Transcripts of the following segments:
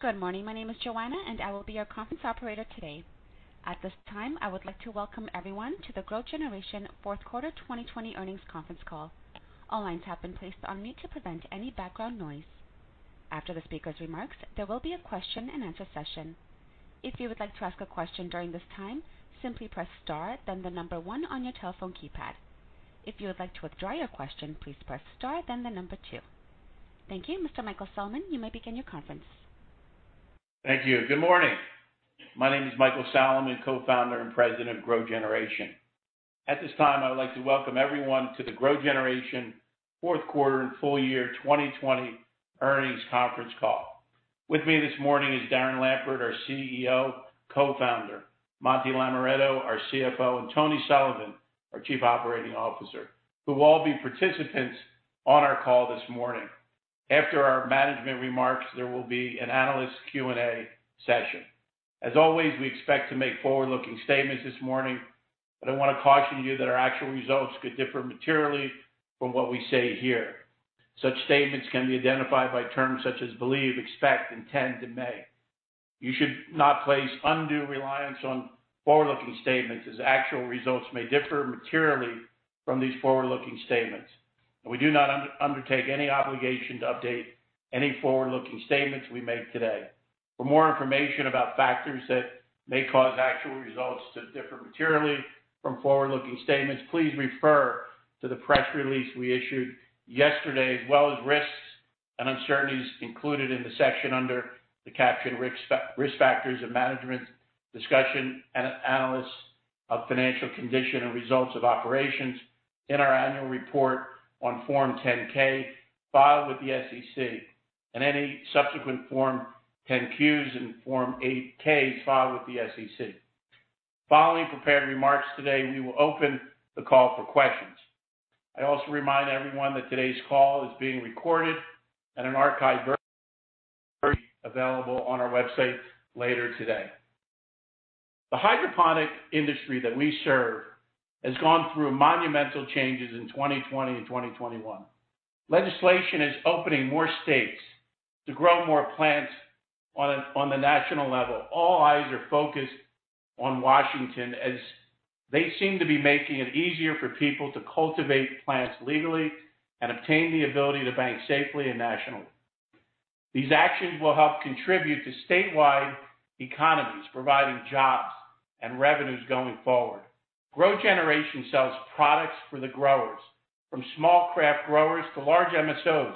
Good morning. My name is Joanna, and I will be your conference operator today. At this time, I would like to welcome everyone to the GrowGeneration fourth quarter 2020 earnings conference call. All lines have been placed on mute to prevent any background noise. After the speakers' remarks, there will be a question and answer session. If you would like to ask a question during this time, simply press star, then the number one on your telephone keypad. If you would like to withdraw your question, please press star, then the number two. Thank you. Mr. Michael Salaman, you may begin your conference. Thank you. Good morning. My name is Michael Salaman, Co-founder and President of GrowGeneration. At this time, I would like to welcome everyone to the GrowGeneration fourth quarter and full year 2020 earnings conference call. With me this morning is Darren Lampert, our CEO, Co-founder, Monty Lamirato, our CFO, and Tony Sullivan, our Chief Operating Officer, who will all be participants on our call this morning. After our management remarks, there will be an analyst Q&A session. As always, we expect to make forward-looking statements this morning. I want to caution you that our actual results could differ materially from what we say here. Such statements can be identified by terms such as believe, expect, intend, and may. You should not place undue reliance on forward-looking statements, as actual results may differ materially from these forward-looking statements. We do not undertake any obligation to update any forward-looking statements we make today. For more information about factors that may cause actual results to differ materially from forward-looking statements, please refer to the press release we issued yesterday, as well as risks and uncertainties included in the section under the caption Risk Factors of Management Discussion and Analysis of Financial Condition and Results of Operations in our annual report on Form 10-K filed with the SEC and any subsequent Form 10-Q and Form 8-K filed with the SEC. Following prepared remarks today, we will open the call for questions. I also remind everyone that today's call is being recorded and an archive version will be available on our website later today. The hydroponic industry that we serve has gone through monumental changes in 2020 and 2021. Legislation is opening more states to grow more plants on a national level. All eyes are focused on Washington, as they seem to be making it easier for people to cultivate plants legally and obtain the ability to bank safely and nationally. These actions will help contribute to statewide economies, providing jobs and revenues going forward. GrowGeneration sells products for the growers, from small craft growers to large MSOs,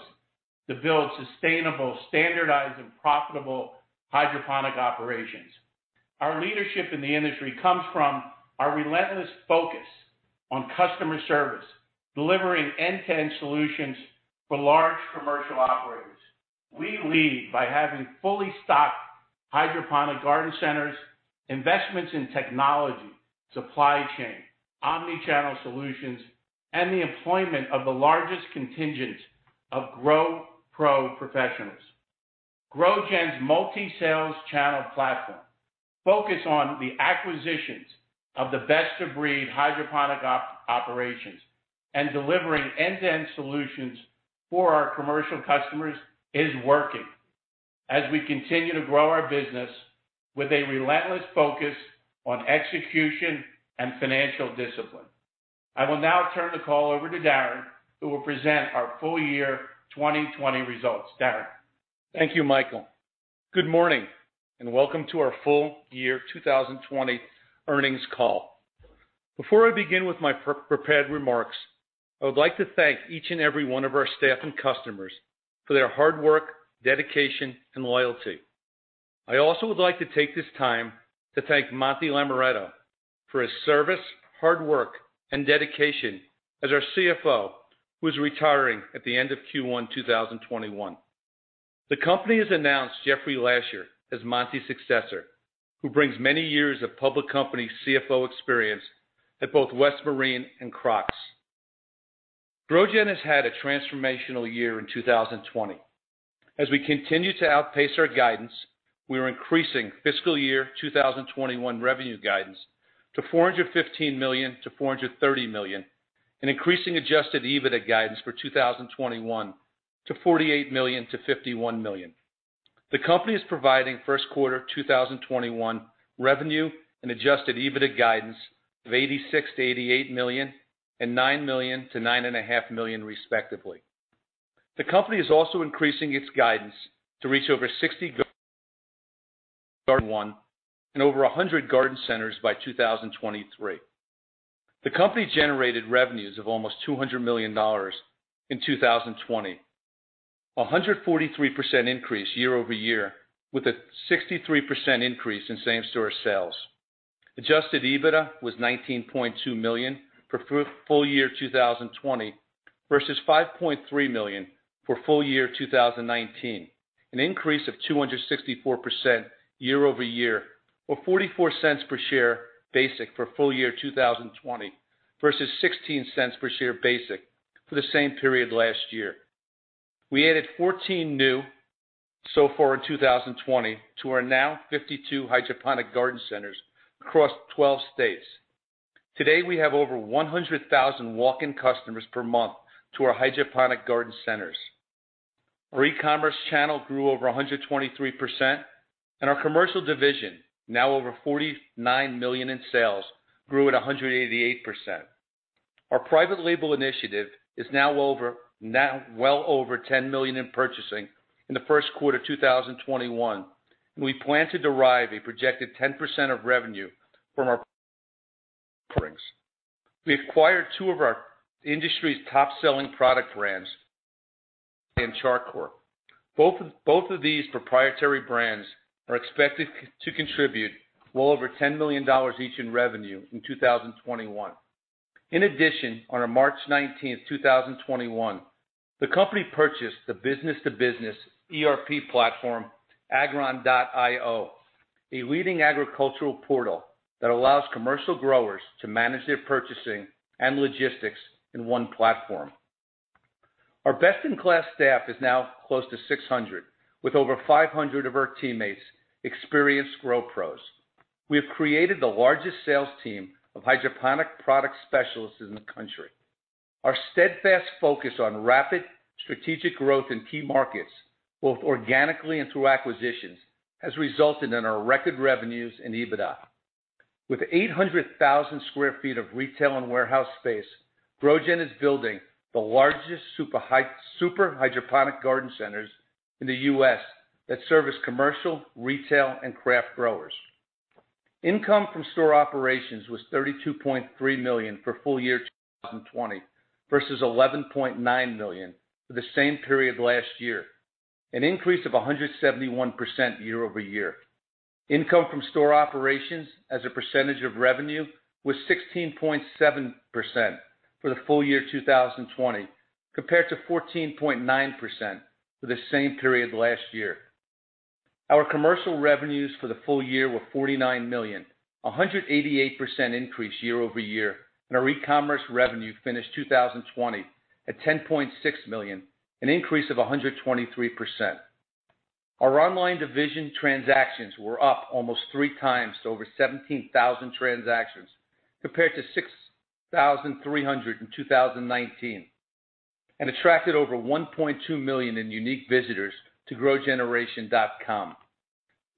to build sustainable, standardized, and profitable hydroponic operations. Our leadership in the industry comes from our relentless focus on customer service, delivering end-to-end solutions for large commercial operators. We lead by having fully stocked hydroponic garden centers, investments in technology, supply chain, omnichannel solutions, and the employment of the largest contingent of grow pro professionals. GrowGen's multi-sales channel platform focus on the acquisitions of the best-of-breed hydroponic operations and delivering end-to-end solutions for our commercial customers is working as we continue to grow our business with a relentless focus on execution and financial discipline. I will now turn the call over to Darren, who will present our full year 2020 results. Darren. Thank you, Michael. Good morning, and welcome to our full year 2020 earnings call. Before I begin with my prepared remarks, I would like to thank each and every one of our staff and customers for their hard work, dedication, and loyalty. I also would like to take this time to thank Monty Lamirato for his service, hard work, and dedication as our CFO, who is retiring at the end of Q1 2021. The company has announced Jeffrey Lasher as Monty's successor, who brings many years of public company CFO experience at both West Marine and Crocs. GrowGen has had a transformational year in 2020. As we continue to outpace our guidance, we are increasing fiscal year 2021 revenue guidance to $415 million-$430 million and increasing adjusted EBITDA guidance for 2021 to $48 million-$51 million. The company is providing first quarter 2021 revenue and adjusted EBITDA guidance of $86 million-$88 million and $9 million-$9.5 million, respectively. The company is also increasing its guidance to reach over 60 garden centers by 2021 and over 100 garden centers by 2023. The company generated revenues of almost $200 million in 2020, 143% increase year-over-year, with a 63% increase in same-store sales. Adjusted EBITDA was $19.2 million for full year 2020 versus $5.3 million for full year 2019, an increase of 264% year-over-year, or $0.44 per share basic for full year 2020 versus $0.16 per share basic for the same period last year. We added 14 new so far in 2020 to our now 52 hydroponic garden centers across 12 states. Today, we have over 100,000 walk-in customers per month to our hydroponic garden centers. Our e-commerce channel grew over 123%, and our commercial division, now over $49 million in sales, grew at 188%. Our private label initiative is now well over $10 million in purchasing in the first quarter of 2021, and we plan to derive a projected 10% of revenue from our offerings. We acquired two of our industry's top-selling product brands, and Char Coir. Both of these proprietary brands are expected to contribute well over $10 million each in revenue in 2021. In addition, on March 19th, 2021, the company purchased the business-to-business ERP platform, Agron.io, a leading agricultural portal that allows commercial growers to manage their purchasing and logistics in one platform. Our best-in-class staff is now close to 600, with over 500 of our teammates experienced grow pros. We have created the largest sales team of hydroponic product specialists in the country. Our steadfast focus on rapid strategic growth in key markets, both organically and through acquisitions, has resulted in our record revenues and EBITDA. With 800,000 sq ft of retail and warehouse space, GrowGen is building the largest super hydroponic garden centers in the U.S. that service commercial, retail, and craft growers. Income from store operations was $32.3 million for full year 2020 versus $11.9 million for the same period last year, an increase of 171% year-over-year. Income from store operations as a percentage of revenue was 16.7% for the full year 2020, compared to 14.9% for the same period last year. Our commercial revenues for the full year were $49 million, 188% increase year-over-year, and our e-commerce revenue finished 2020 at $10.6 million, an increase of 123%. Our online division transactions were up almost three times to over 17,000 transactions, compared to 6,300 in 2019, and attracted over 1.2 million in unique visitors to growgeneration.com.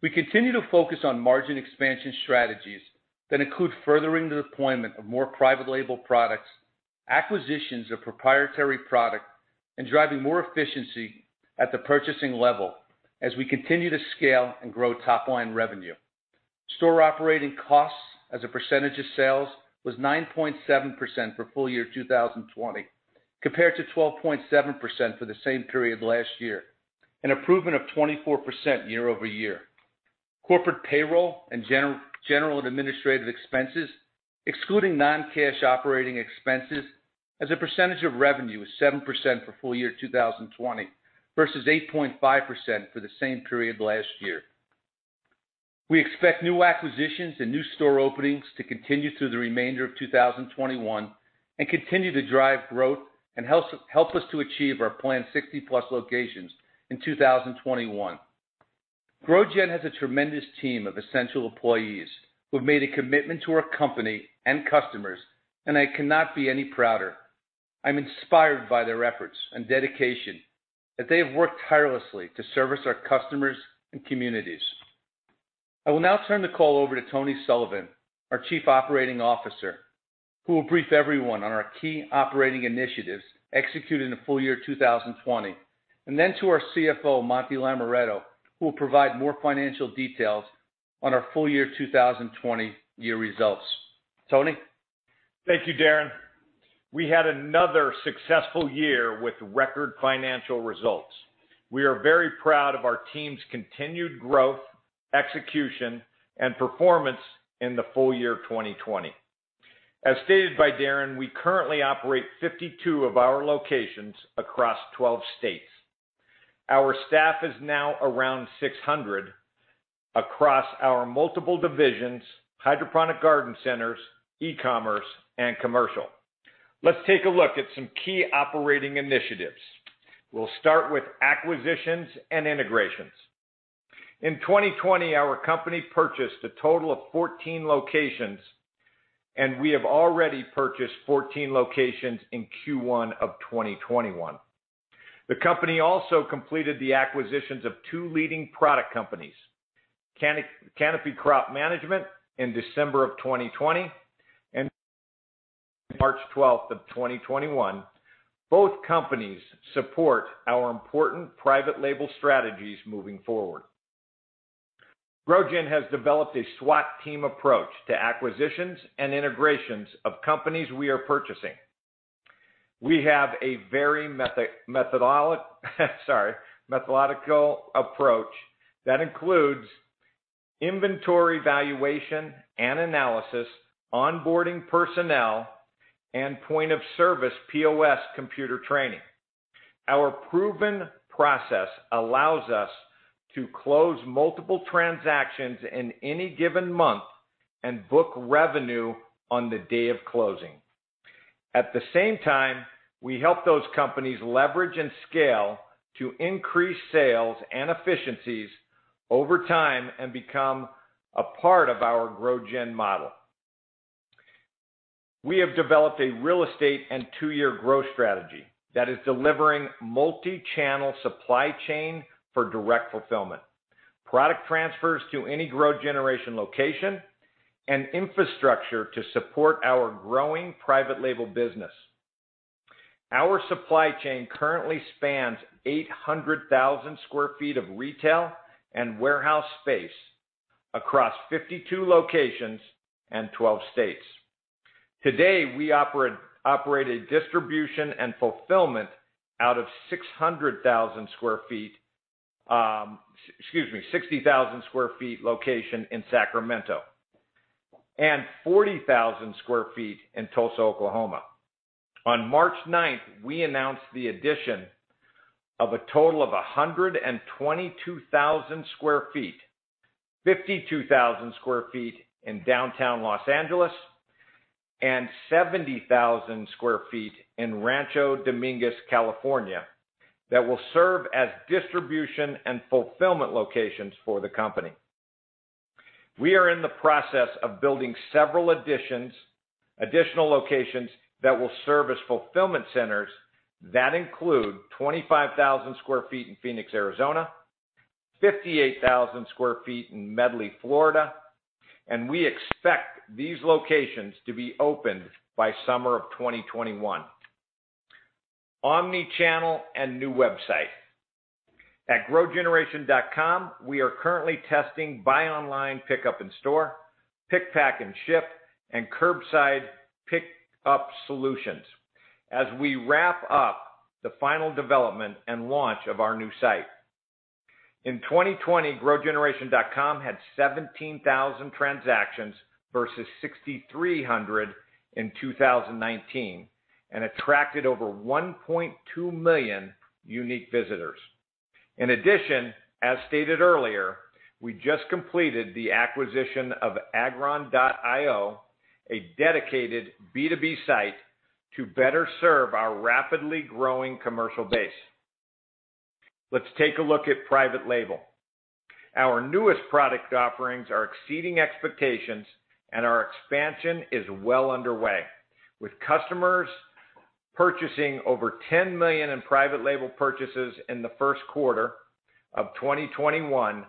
We continue to focus on margin expansion strategies that include furthering the deployment of more private label products, acquisitions of proprietary product, and driving more efficiency at the purchasing level as we continue to scale and grow top-line revenue. Store operating costs as a percentage of sales was 9.7% for full year 2020, compared to 12.7% for the same period last year, an improvement of 24% year-over-year. Corporate payroll and general and administrative expenses, excluding non-cash operating expenses, as a percentage of revenue was 7% for full year 2020 versus 8.5% for the same period last year. We expect new acquisitions and new store openings to continue through the remainder of 2021 and continue to drive growth and help us to achieve our planned 60-plus locations in 2021. GrowGen has a tremendous team of essential employees who have made a commitment to our company and customers, and I cannot be any prouder. I'm inspired by their efforts and dedication, that they have worked tirelessly to service our customers and communities. I will now turn the call over to Tony Sullivan, our Chief Operating Officer, who will brief everyone on our key operating initiatives executed in the full year 2020, and then to our CFO, Monty Lamirato, who will provide more financial details on our full year 2020 year results. Tony? Thank you, Darren. We had another successful year with record financial results. We are very proud of our team's continued growth, execution, and performance in the full year 2020. As stated by Darren, we currently operate 52 of our locations across 12 states. Our staff is now around 600 across our multiple divisions, hydroponic garden centers, e-commerce, and commercial. Let's take a look at some key operating initiatives. We'll start with acquisitions and integrations. In 2020, our company purchased a total of 14 locations, and we have already purchased 14 locations in Q1 of 2021. The company also completed the acquisitions of two leading product companies, Canopy Crop Management in December of 2020 and March 12th of 2021. Both companies support our important private label strategies moving forward. GrowGen has developed a SWAT team approach to acquisitions and integrations of companies we are purchasing. We have a very methodological approach that includes inventory valuation and analysis, onboarding personnel, and point-of-service POS computer training. Our proven process allows us to close multiple transactions in any given month and book revenue on the day of closing. At the same time, we help those companies leverage and scale to increase sales and efficiencies over time and become a part of our GrowGen model. We have developed a real estate and two-year growth strategy that is delivering multi-channel supply chain for direct fulfillment, product transfers to any GrowGeneration location, and infrastructure to support our growing private label business. Our supply chain currently spans 800,000 sq ft of retail and warehouse space across 52 locations and 12 states. Today, we operate a distribution and fulfillment out of 60,000 sq ft location in Sacramento and 40,000 sq ft in Tulsa, Oklahoma. On March 9th, we announced the addition of a total of 122,000 sq ft, 52,000 sq ft in downtown L.A., and 70,000 sq ft in Rancho Dominguez, California, that will serve as distribution and fulfillment locations for the company. We are in the process of building several additional locations that will serve as fulfillment centers that include 25,000 sq ft in Phoenix, Arizona, 58,000 sq ft in Medley, Florida, and we expect these locations to be opened by summer of 2021. omnichannel and new website. At growgeneration.com, we are currently testing buy online, pick up in store, pick, pack, and ship, and curbside pickup solutions as we wrap up the final development and launch of our new site. In 2020, growgeneration.com had 17,000 transactions versus 6,300 in 2019 attracted over 1.2 million unique visitors. In addition, as stated earlier, we just completed the acquisition of Agron.io, a dedicated B2B site to better serve our rapidly growing commercial base. Let's take a look at private label. Our newest product offerings are exceeding expectations, and our expansion is well underway, with customers purchasing over $10 million in private label purchases in the first quarter of 2021.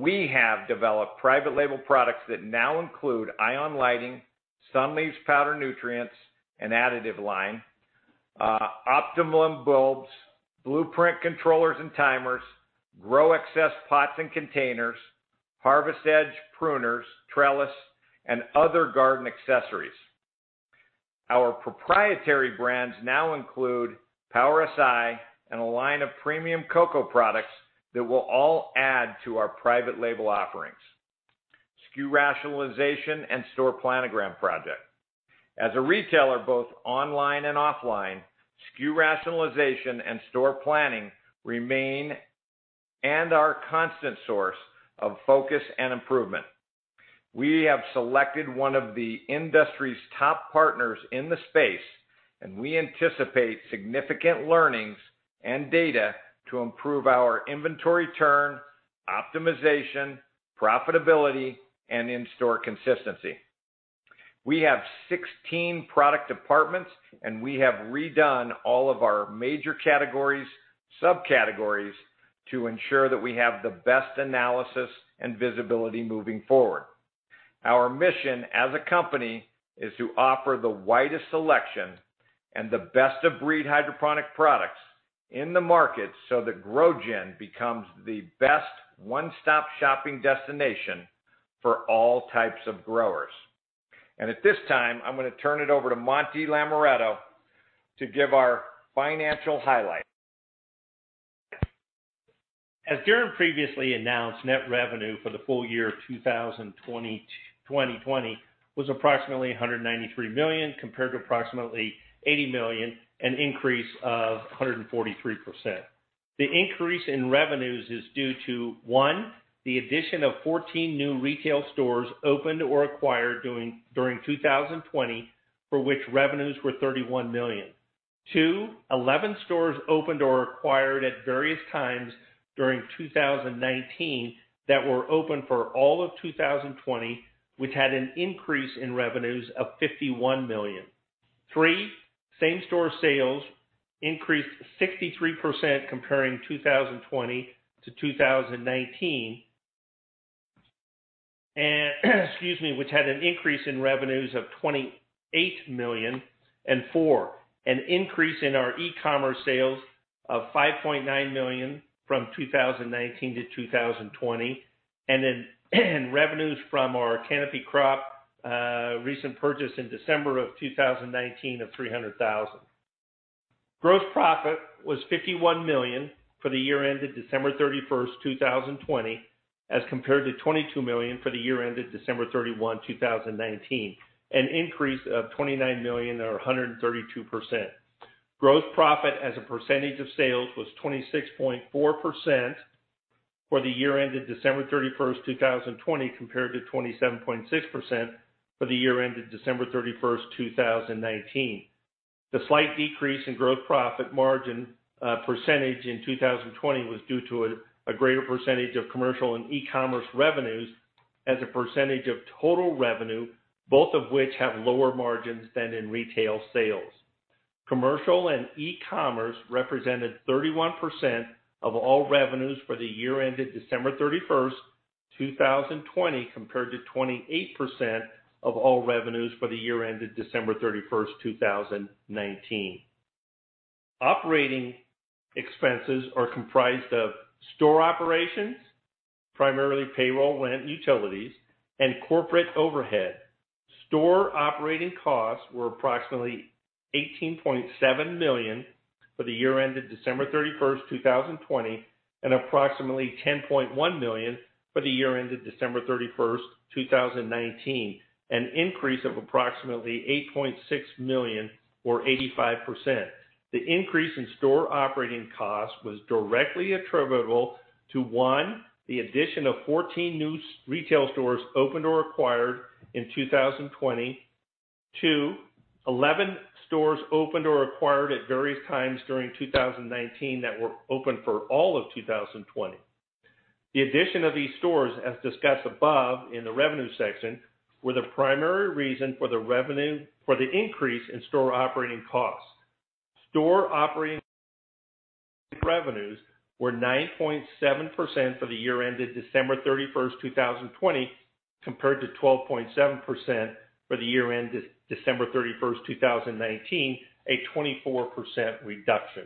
We have developed private label products that now include ION Lighting, Sunleaves powder nutrients and additive line, Optilume bulbs, Blueprint Controllers and timers, GrowXcess pots and containers, Harvester's Edge pruners, trellis, and other garden accessories. Our proprietary brands now include Power Si and a line of premium coco products that will all add to our private label offerings. SKU rationalization and store planogram project. As a retailer, both online and offline, SKU rationalization and store planning remain and are a constant source of focus and improvement. We have selected one of the industry's top partners in the space, and we anticipate significant learnings and data to improve our inventory turn, optimization, profitability, and in-store consistency. We have 16 product departments, and we have redone all of our major categories, subcategories to ensure that we have the best analysis and visibility moving forward. Our mission as a company is to offer the widest selection and the best-of-breed hydroponic products in the market so that GrowGen becomes the best one-stop shopping destination for all types of growers. At this time, I'm going to turn it over to Monty Lamirato to give our financial highlights. As Darren previously announced, net revenue for the full year of 2020 was approximately $193 million compared to approximately $80 million, an increase of 143%. The increase in revenues is due to, one, the addition of 14 new retail stores opened or acquired during 2020, for which revenues were $31 million. Two, 11 stores opened or acquired at various times during 2019 that were open for all of 2020, which had an increase in revenues of $51 million. Three, same-store sales increased 63% comparing 2020 to 2019, excuse me, which had an increase in revenues of $28 million. Four, an increase in our e-commerce sales of $5.9 million from 2019 to 2020, and then revenues from our Canopy Crop recent purchase in December of 2019 of $300,000. Gross profit was $51 million for the year ended December 31, 2020, as compared to $22 million for the year ended December 31, 2019, an increase of $29 million or 132%. Gross profit as a percentage of sales was 26.4%. For the year ended December 31st, 2020, compared to 27.6% for the year ended December 31st, 2019. The slight decrease in gross profit margin percentage in 2020 was due to a greater percentage of commercial and e-commerce revenues as a percentage of total revenue, both of which have lower margins than in retail sales. Commercial and e-commerce represented 31% of all revenues for the year ended December 31st, 2020, compared to 28% of all revenues for the year ended December 31st, 2019. Operating expenses are comprised of store operations, primarily payroll and utilities, and corporate overhead. Store operating costs were approximately $18.7 million for the year ended December 31st, 2020, and approximately $10.1 million for the year ended December 31st, 2019, an increase of approximately $8.6 million or 85%. The increase in store operating cost was directly attributable to, one, the addition of 14 new retail stores opened or acquired in 2020. Two, 11 stores opened or acquired at various times during 2019 that were open for all of 2020. The addition of these stores, as discussed above in the revenue section, were the primary reason for the increase in store operating costs. Store operating revenues were 9.7% for the year ended December 31st, 2020, compared to 12.7% for the year ended December 31st, 2019, a 24% reduction.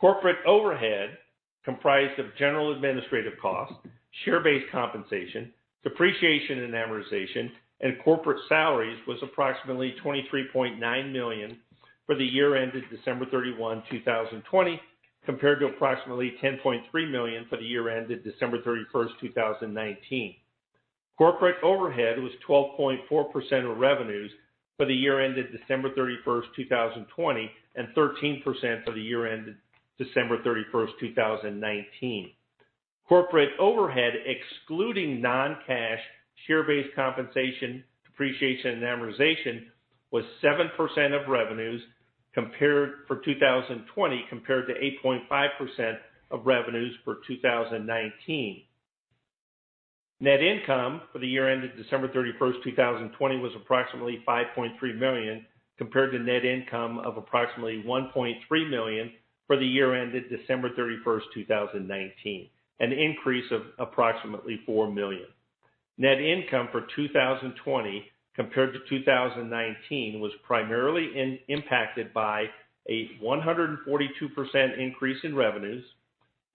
Corporate overhead, comprised of general administrative costs, share-based compensation, depreciation and amortization, and corporate salaries, was approximately $23.9 million for the year ended December 31, 2020, compared to approximately $10.3 million for the year ended December 31st, 2019. Corporate overhead was 12.4% of revenues for the year ended December 31st, 2020, and 13% for the year ended December 31st, 2019. Corporate overhead, excluding non-cash share-based compensation, depreciation, and amortization, was 7% of revenues for 2020, compared to 8.5% of revenues for 2019. Net income for the year ended December 31st, 2020, was approximately $5.3 million, compared to net income of approximately $1.3 million for the year ended December 31st, 2019, an increase of approximately $4 million. Net income for 2020 compared to 2019 was primarily impacted by a 142% increase in revenues,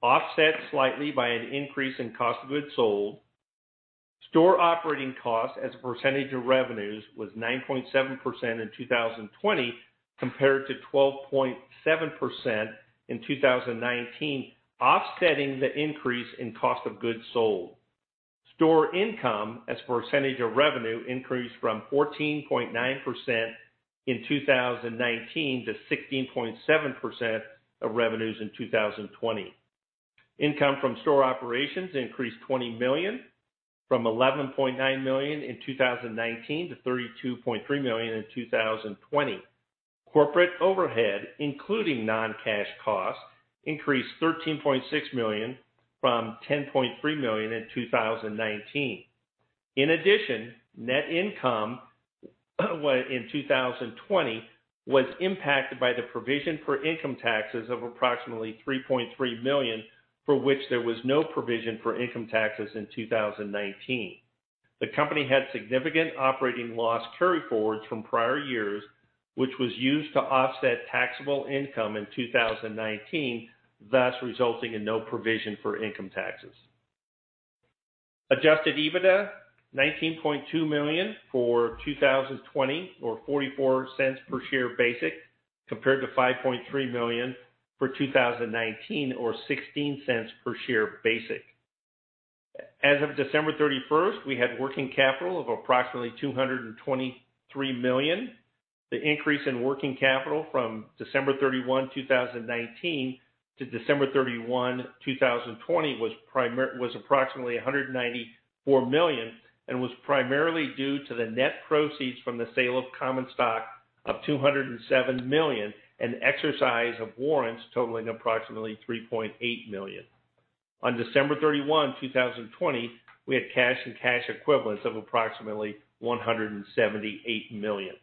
offset slightly by an increase in cost of goods sold. Store operating costs as a percentage of revenues was 9.7% in 2020, compared to 12.7% in 2019, offsetting the increase in cost of goods sold. Store income as a percentage of revenue increased from 14.9% in 2019 to 16.7% of revenues in 2020. Income from store operations increased $20 million from $11.9 million in 2019 to $32.3 million in 2020. Corporate overhead, including non-cash costs, increased $13.6 million from $10.3 million in 2019. In addition, net income in 2020 was impacted by the provision for income taxes of approximately $3.3 million, for which there was no provision for income taxes in 2019. The company had significant operating loss carryforwards from prior years, which was used to offset taxable income in 2019, thus resulting in no provision for income taxes. Adjusted EBITDA, $19.2 million for 2020 or $0.44 per share basic, compared to $5.3 million for 2019 or $0.16 per share basic. As of December 31st, we had working capital of approximately $223 million. The increase in working capital from December 31, 2019 to December 31, 2020 was approximately $194 million and was primarily due to the net proceeds from the sale of common stock of $207 million and the exercise of warrants totaling approximately $3.8 million. On December 31, 2020, we had cash and cash equivalents of approximately $178 million.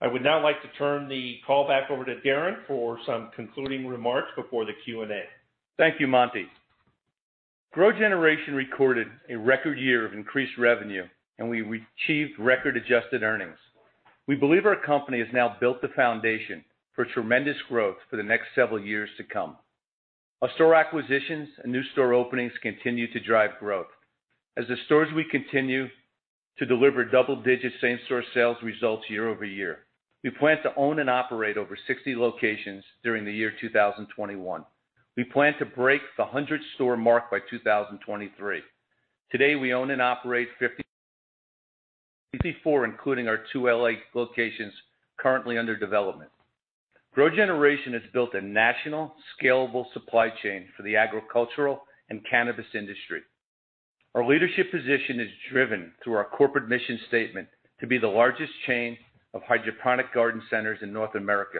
I would now like to turn the call back over to Darren for some concluding remarks before the Q&A. Thank you, Monty. GrowGeneration recorded a record year of increased revenue, and we achieved record adjusted earnings. We believe our company has now built the foundation for tremendous growth for the next several years to come. Our store acquisitions and new store openings continue to drive growth. As the stores we continue to deliver double-digit same store sales results year-over-year. We plan to own and operate over 60 locations during the year 2021. We plan to break the 100-store mark by 2023. Today, we own and operate 54, including our two L.A. locations currently under development. GrowGeneration has built a national scalable supply chain for the agricultural and cannabis industry. Our leadership position is driven through our corporate mission statement to be the largest chain of hydroponic garden centers in North America.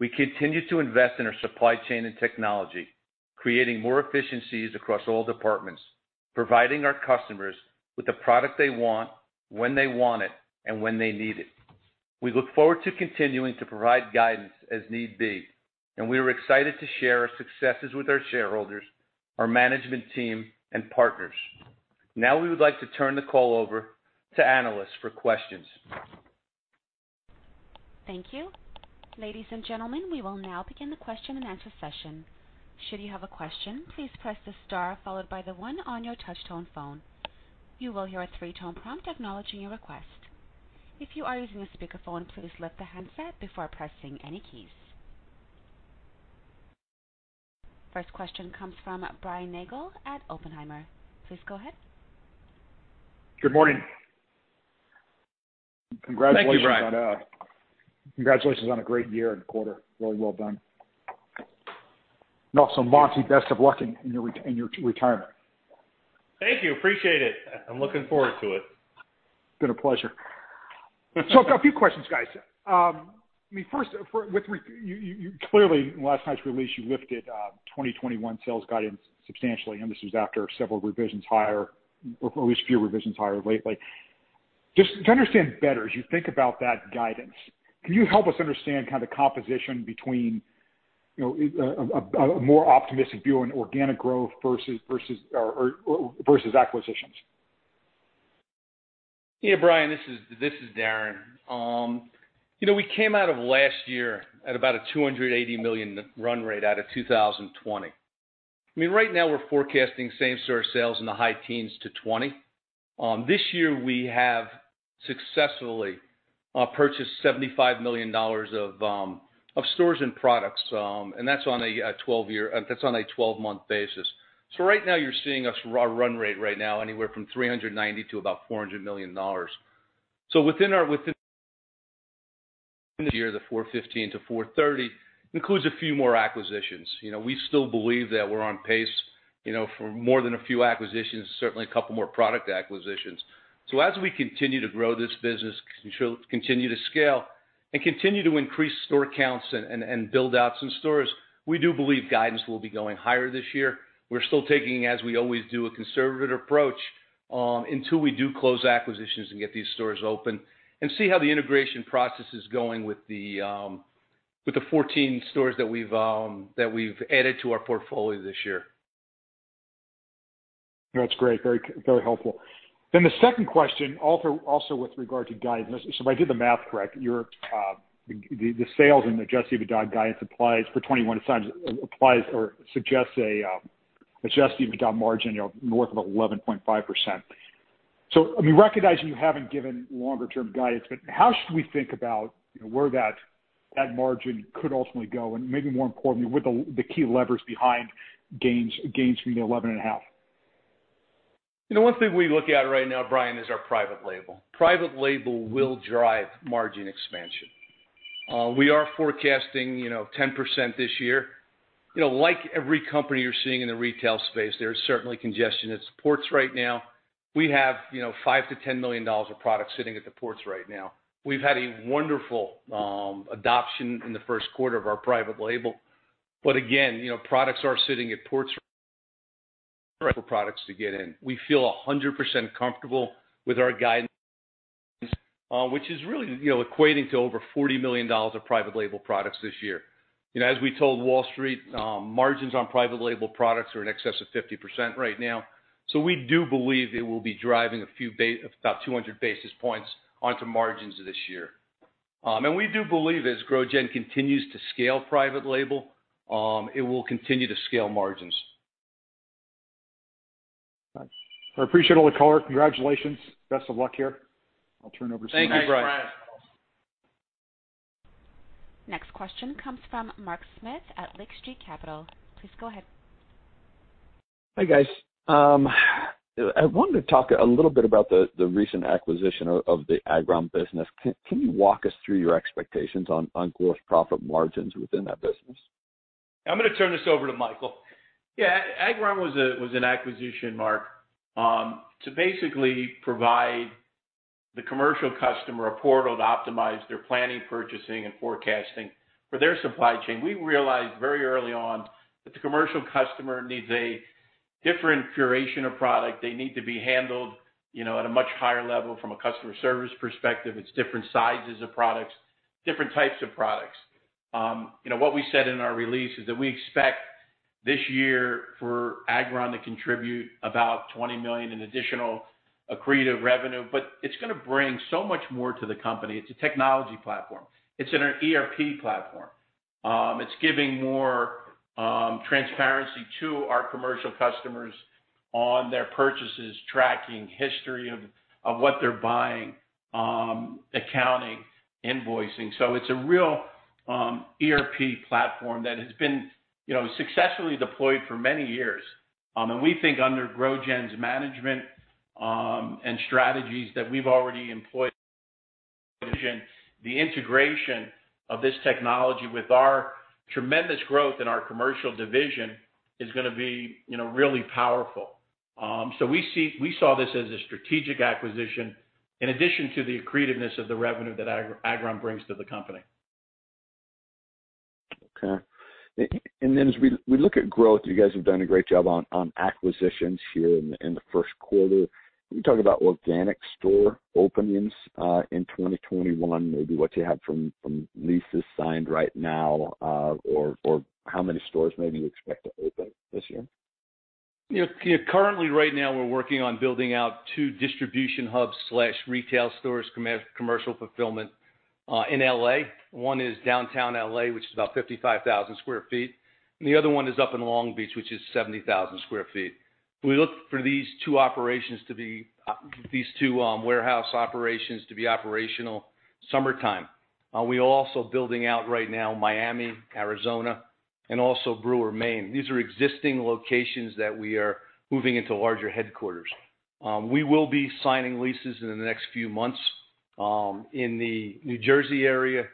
We continue to invest in our supply chain and technology, creating more efficiencies across all departments, providing our customers with the product they want, when they want it, and when they need it. We look forward to continuing to provide guidance as need be, and we are excited to share our successes with our shareholders, our management team, and partners. We would like to turn the call over to analysts for questions. Thank you. Ladies and gentlemen, we will now begin the question-and-answer session. Should you have a question please press the star followed by the one on your touchtone phone. You will hear a prompt tone to acknowledge your request. First question comes from Brian Nagel at Oppenheimer. Please go ahead. Good morning. Thank you, Brian. Congratulations on a great year and quarter. Really well done. Also, Monty, best of luck in your retirement. Thank you. Appreciate it. I'm looking forward to it. It's been a pleasure. A few questions, guys. Clearly, in last night's release, you lifted 2021 sales guidance substantially, and this was after several revisions higher, or at least a few revisions higher lately. Just to understand better, as you think about that guidance, can you help us understand the composition between a more optimistic view on organic growth versus acquisitions? Yeah, Brian, this is Darren. We came out of last year at about a $280 million run rate out of 2020. Right now, we're forecasting same store sales in the high teens to 20%. This year, we have successfully purchased $75 million of stores and products. That's on a 12-month basis. Right now, you're seeing our run rate right now anywhere from $390 million to about $400 million. Within the year, the $415 million to $430 million includes a few more acquisitions. We still believe that we're on pace for more than a few acquisitions, certainly a couple more product acquisitions. As we continue to grow this business, continue to scale, and continue to increase store counts and build out some stores, we do believe guidance will be going higher this year. We're still taking, as we always do, a conservative approach, until we do close acquisitions and get these stores open and see how the integration process is going with the 14 stores that we've added to our portfolio this year. That's great. Very helpful. The second question, also with regard to guidance. If I did the math correct, the sales and adjusted EBITDA guidance applies for 2021. It applies or suggests an adjusted EBITDA margin, north of 11.5%. Recognizing you haven't given longer term guidance, but how should we think about where that margin could ultimately go and maybe more importantly, what the key levers behind gains from the 11.5%? The one thing we look at right now, Brian, is our private label. Private label will drive margin expansion. We are forecasting 10% this year. Like every company you're seeing in the retail space, there is certainly congestion at ports right now. We have $5 million-$10 million of product sitting at the ports right now. We've had a wonderful adoption in the first quarter of our private label. Again, products are sitting at ports for products to get in. We feel 100% comfortable with our guidance, which is really equating to over $40 million of private label products this year. As we told Wall Street, margins on private label products are in excess of 50% right now. We do believe it will be driving about 200 basis points onto margins this year. We do believe as GrowGen continues to scale private label, it will continue to scale margins. Nice. I appreciate all the color. Congratulations. Best of luck here. I'll turn it over to somebody else. Thank you, Brian. Next question comes from Mark Smith at Lake Street Capital. Please go ahead. Hi, guys. I wanted to talk a little bit about the recent acquisition of the Agron.io business. Can you walk us through your expectations on gross profit margins within that business? I'm going to turn this over to Michael. Yeah, Agron.io was an acquisition, Mark, to basically provide the commercial customer a portal to optimize their planning, purchasing, and forecasting for their supply chain. We realized very early on that the commercial customer needs a different curation of product. They need to be handled at a much higher level from a customer service perspective. It's different sizes of products, different types of products. What we said in our release is that we expect this year for Agron.io to contribute about $20 million in additional accretive revenue, but it's going to bring so much more to the company. It's a technology platform. It's an ERP platform. It's giving more transparency to our commercial customers on their purchases, tracking history of what they're buying, accounting, invoicing. It's a real ERP platform that has been successfully deployed for many years. We think under GrowGen's management and strategies that we've already employed, the integration of this technology with our tremendous growth in our commercial division is going to be really powerful. We saw this as a strategic acquisition in addition to the accretiveness of the revenue that Agron.io brings to the company. Okay. As we look at growth, you guys have done a great job on acquisitions here in the first quarter. Can you talk about organic store openings, in 2021? Maybe what you have from leases signed right now, or how many stores maybe you expect to open this year? Currently, right now, we're working on building out two distribution hubs/retail stores, commercial fulfillment, in L.A. One is downtown L.A., which is about 55,000 sq ft, and the other one is up in Long Beach, which is 70,000 sq ft. We look for these two warehouse operations to be operational summertime. We are also building out right now Miami, Arizona, and also Brewer, Maine. These are existing locations that we are moving into larger headquarters. We will be signing leases in the next few months, in the New Jersey area,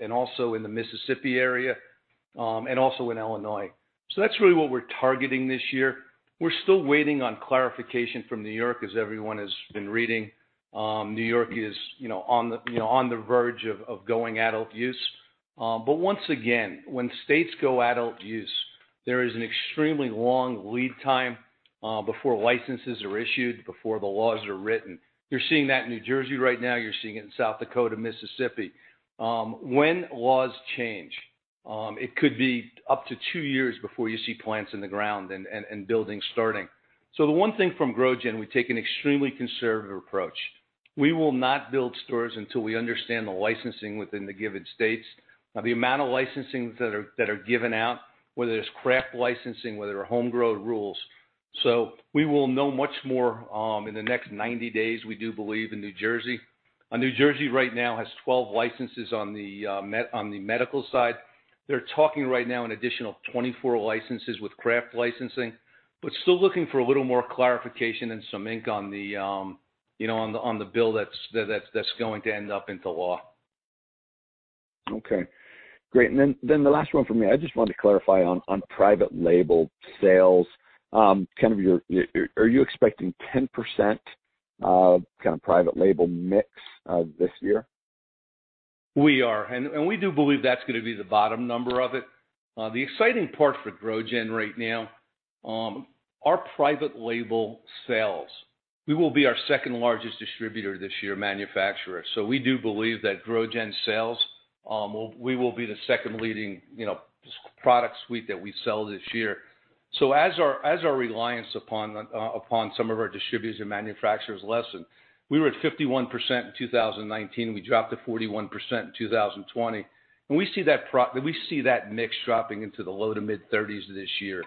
and also in the Mississippi area, and also in Illinois. That's really what we're targeting this year. We're still waiting on clarification from New York, as everyone has been reading. New York is on the verge of going adult use. Once again, when states go adult use, there is an extremely long lead time before licenses are issued, before the laws are written. You're seeing that in New Jersey right now. You're seeing it in South Dakota, Mississippi. When laws change, it could be up to two years before you see plants in the ground and buildings starting. The one thing from GrowGen, we take an extremely conservative approach. We will not build stores until we understand the licensing within the given states, the amount of licensing that are given out, whether it's craft licensing, whether it are home grow rules. We will know much more in the next 90 days, we do believe, in New Jersey. New Jersey right now has 12 licenses on the medical side. They're talking right now an additional 24 licenses with craft licensing, but still looking for a little more clarification and some ink on the bill that's going to end up into law. Okay, great. The last one from me. I just wanted to clarify on private label sales. Are you expecting 10% private label mix this year? We are, and we do believe that's going to be the bottom number of it. The exciting part for GrowGen right now, our private label sales, we will be our second largest distributor this year, manufacturer. We do believe that GrowGen sales, we will be the second leading product suite that we sell this year. As our reliance upon some of our distributors and manufacturers lessen, we were at 51% in 2019. We dropped to 41% in 2020. We see that mix dropping into the low to mid-30s this year.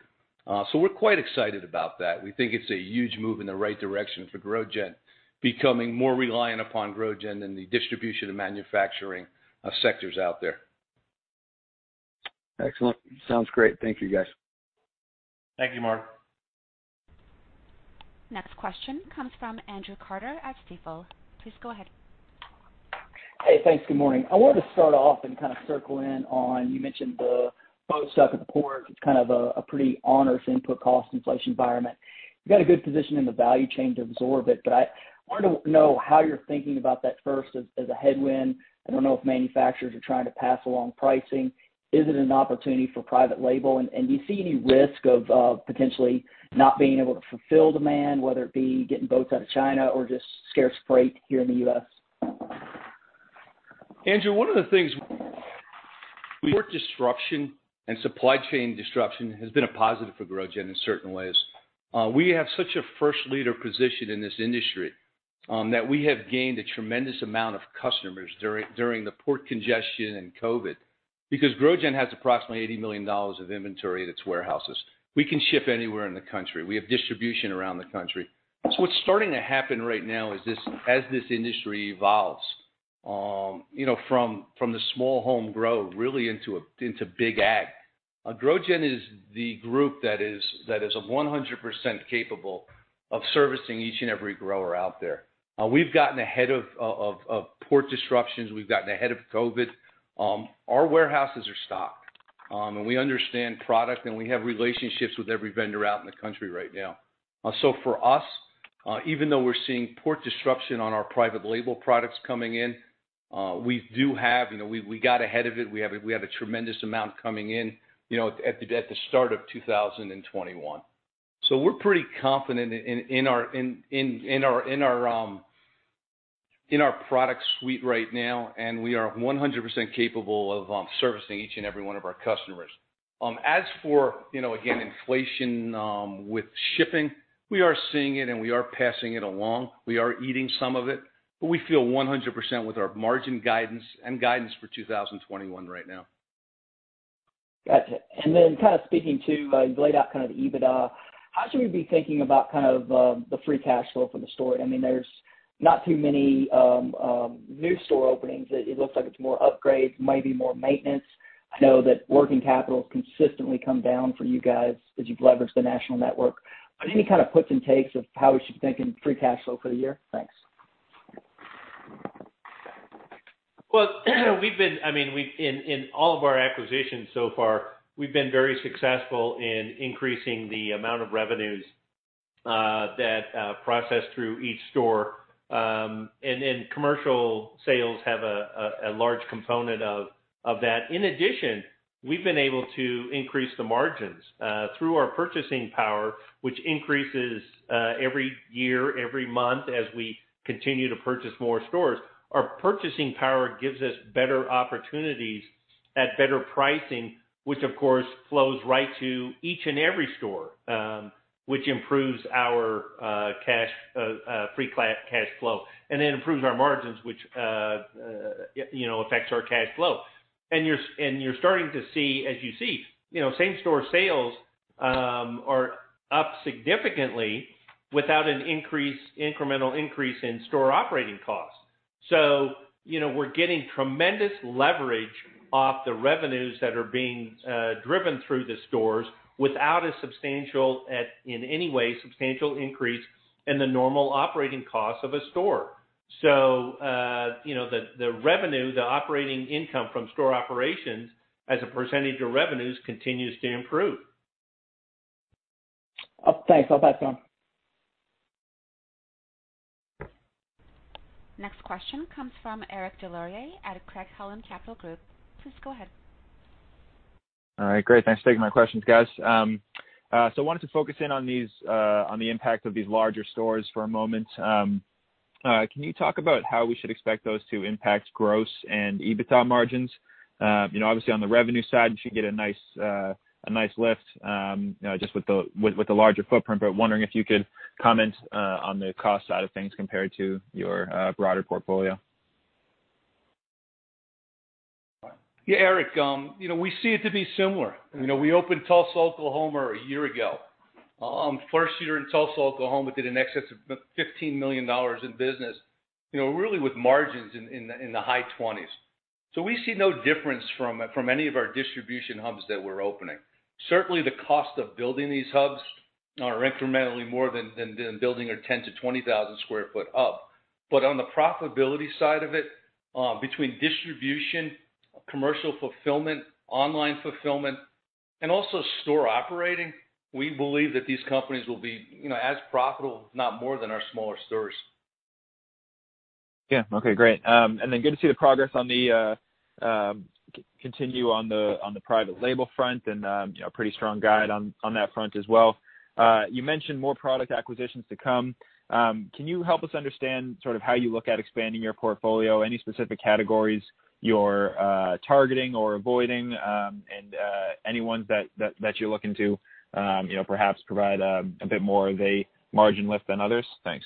We're quite excited about that. We think it's a huge move in the right direction for GrowGen, becoming more reliant upon GrowGen than the distribution and manufacturing sectors out there. Excellent. Sounds great. Thank you, guys. Thank you, Mark. Next question comes from Andrew Carter at Stifel. Please go ahead. Hey, thanks. Good morning. I wanted to start off and kind of circle in on, you mentioned the boat stuck at the port. It's kind of a pretty onerous input cost inflation environment. I wanted to know how you're thinking about that first as a headwind. I don't know if manufacturers are trying to pass along pricing. Is it an opportunity for private label? Do you see any risk of potentially not being able to fulfill demand, whether it be getting boats out of China or just scarce freight here in the U.S.? Andrew, one of the things, port disruption and supply chain disruption has been a positive for GrowGen in certain ways. We have such a first leader position in this industry, that we have gained a tremendous amount of customers during the port congestion and COVID. GrowGen has approximately $80 million of inventory at its warehouses. We can ship anywhere in the country. We have distribution around the country. What's starting to happen right now is as this industry evolves, from the small home grow really into big ag. GrowGen is the group that is 100% capable of servicing each and every grower out there. We've gotten ahead of port disruptions. We've gotten ahead of COVID. Our warehouses are stocked. We understand product, and we have relationships with every vendor out in the country right now. For us, even though we're seeing port disruption on our private label products coming in, we got ahead of it. We have a tremendous amount coming in at the start of 2021. We're pretty confident in our product suite right now, and we are 100% capable of servicing each and every one of our customers. As for, again, inflation with shipping, we are seeing it and we are passing it along. We are eating some of it, but we feel 100% with our margin guidance and guidance for 2021 right now. Gotcha. Kind of speaking to, you laid out kind of the EBITDA. How should we be thinking about kind of the free cash flow from the store? There's not too many new store openings. It looks like it's more upgrades, maybe more maintenance. I know that working capital has consistently come down for you guys as you've leveraged the national network. Any kind of puts and takes of how we should be thinking free cash flow for the year? Thanks. Well, in all of our acquisitions so far, we've been very successful in increasing the amount of revenues that process through each store. Commercial sales have a large component of that. In addition, we've been able to increase the margins through our purchasing power, which increases every year, every month as we continue to purchase more stores. Our purchasing power gives us better opportunities at better pricing, which of course flows right to each and every store, which improves our free cash flow, and then improves our margins, which affects our cash flow. You're starting to see, as you see, same store sales are up significantly without an incremental increase in store operating costs. We're getting tremendous leverage off the revenues that are being driven through the stores without a substantial, in any way, substantial increase in the normal operating costs of a store. The revenue, the operating income from store operations as a percentage of revenues continues to improve. Thanks. I'll pass it on. Next question comes from Eric Des Lauriers at Craig-Hallum Capital Group. Please go ahead. All right. Great. Thanks for taking my questions, guys. Wanted to focus in on the impact of these larger stores for a moment. Can you talk about how we should expect those to impact gross and EBITDA margins? Obviously, on the revenue side, you should get a nice lift, just with the larger footprint, but wondering if you could comment on the cost side of things compared to your broader portfolio. Yeah, Eric. We see it to be similar. We opened Tulsa, Oklahoma a year ago. First year in Tulsa, Oklahoma, did in excess of $15 million in business, really with margins in the high 20s. We see no difference from any of our distribution hubs that we're opening. Certainly, the cost of building these hubs are incrementally more than building a 10,000 sq ft-20,000 sq ft hub. On the profitability side of it, between distribution, commercial fulfillment, online fulfillment, and also store operating, we believe that these companies will be as profitable, if not more, than our smaller stores. Yeah. Okay, great. Good to see the progress on the private label front and a pretty strong guide on that front as well. You mentioned more product acquisitions to come. Can you help us understand sort of how you look at expanding your portfolio? Any specific categories you're targeting or avoiding? Any ones that you look into perhaps provide a bit more of a margin lift than others? Thanks.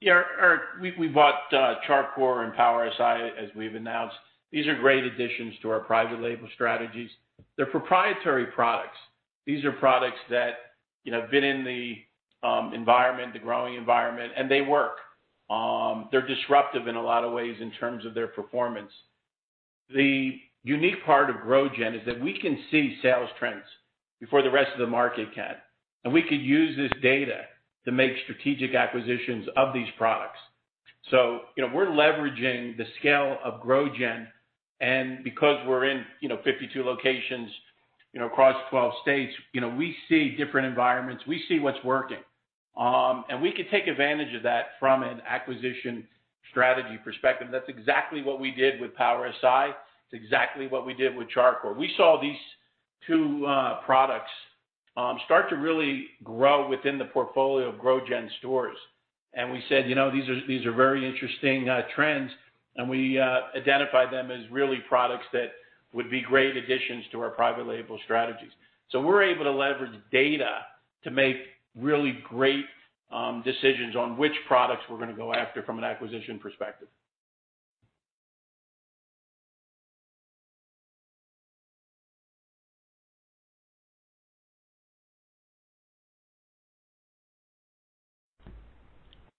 Yeah, Eric. We bought Char Coir and Power Si, as we've announced. These are great additions to our private label strategies. They're proprietary products. These are products that have been in the growing environment, and they work. They're disruptive in a lot of ways in terms of their performance. The unique part of GrowGen is that we can see sales trends before the rest of the market can, and we could use this data to make strategic acquisitions of these products. We're leveraging the scale of GrowGen, and because we're in 52 locations across 12 states, we see different environments. We see what's working. We can take advantage of that from an acquisition strategy perspective. That's exactly what we did with Power Si. It's exactly what we did with Char Coir. We saw these two products start to really grow within the portfolio of GrowGen stores. We said, "These are very interesting trends." We identified them as really products that would be great additions to our private label strategies. We're able to leverage data to make really great decisions on which products we're going to go after from an acquisition perspective.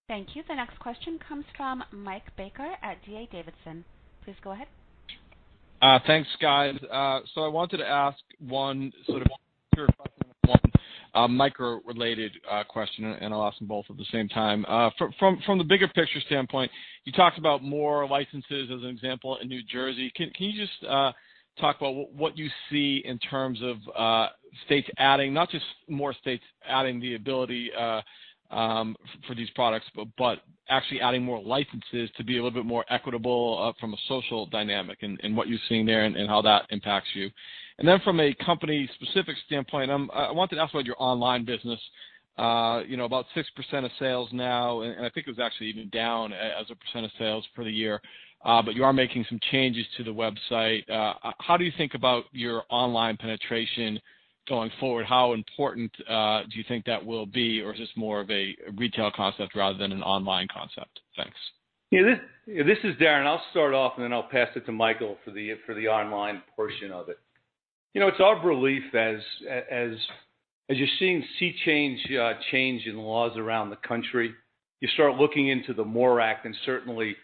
Thank you. The next question comes from Mike Baker at D.A. Davidson. Please go ahead. Thanks, guys. I wanted to ask one sort of one micro related question, and I will ask them both at the same time. From the bigger picture standpoint, you talked about more licenses, as an example, in New Jersey. Can you just talk about what you see in terms of states adding, not just more states adding the ability for these products, but actually adding more licenses to be a little bit more equitable from a social dynamic and what you are seeing there and how that impacts you. From a company specific standpoint, I wanted to ask about your online business. About 6% of sales now, and I think it was actually even down as a percent of sales for the year. You are making some changes to the website. How do you think about your online penetration going forward? How important do you think that will be, or is this more of a retail concept rather than an online concept? Thanks. Yeah, this is Darren. I'll start off, and then I'll pass it to Michael for the online portion of it. It's our belief as you're seeing sea change in laws around the country, you start looking into the MORE Act and certainly,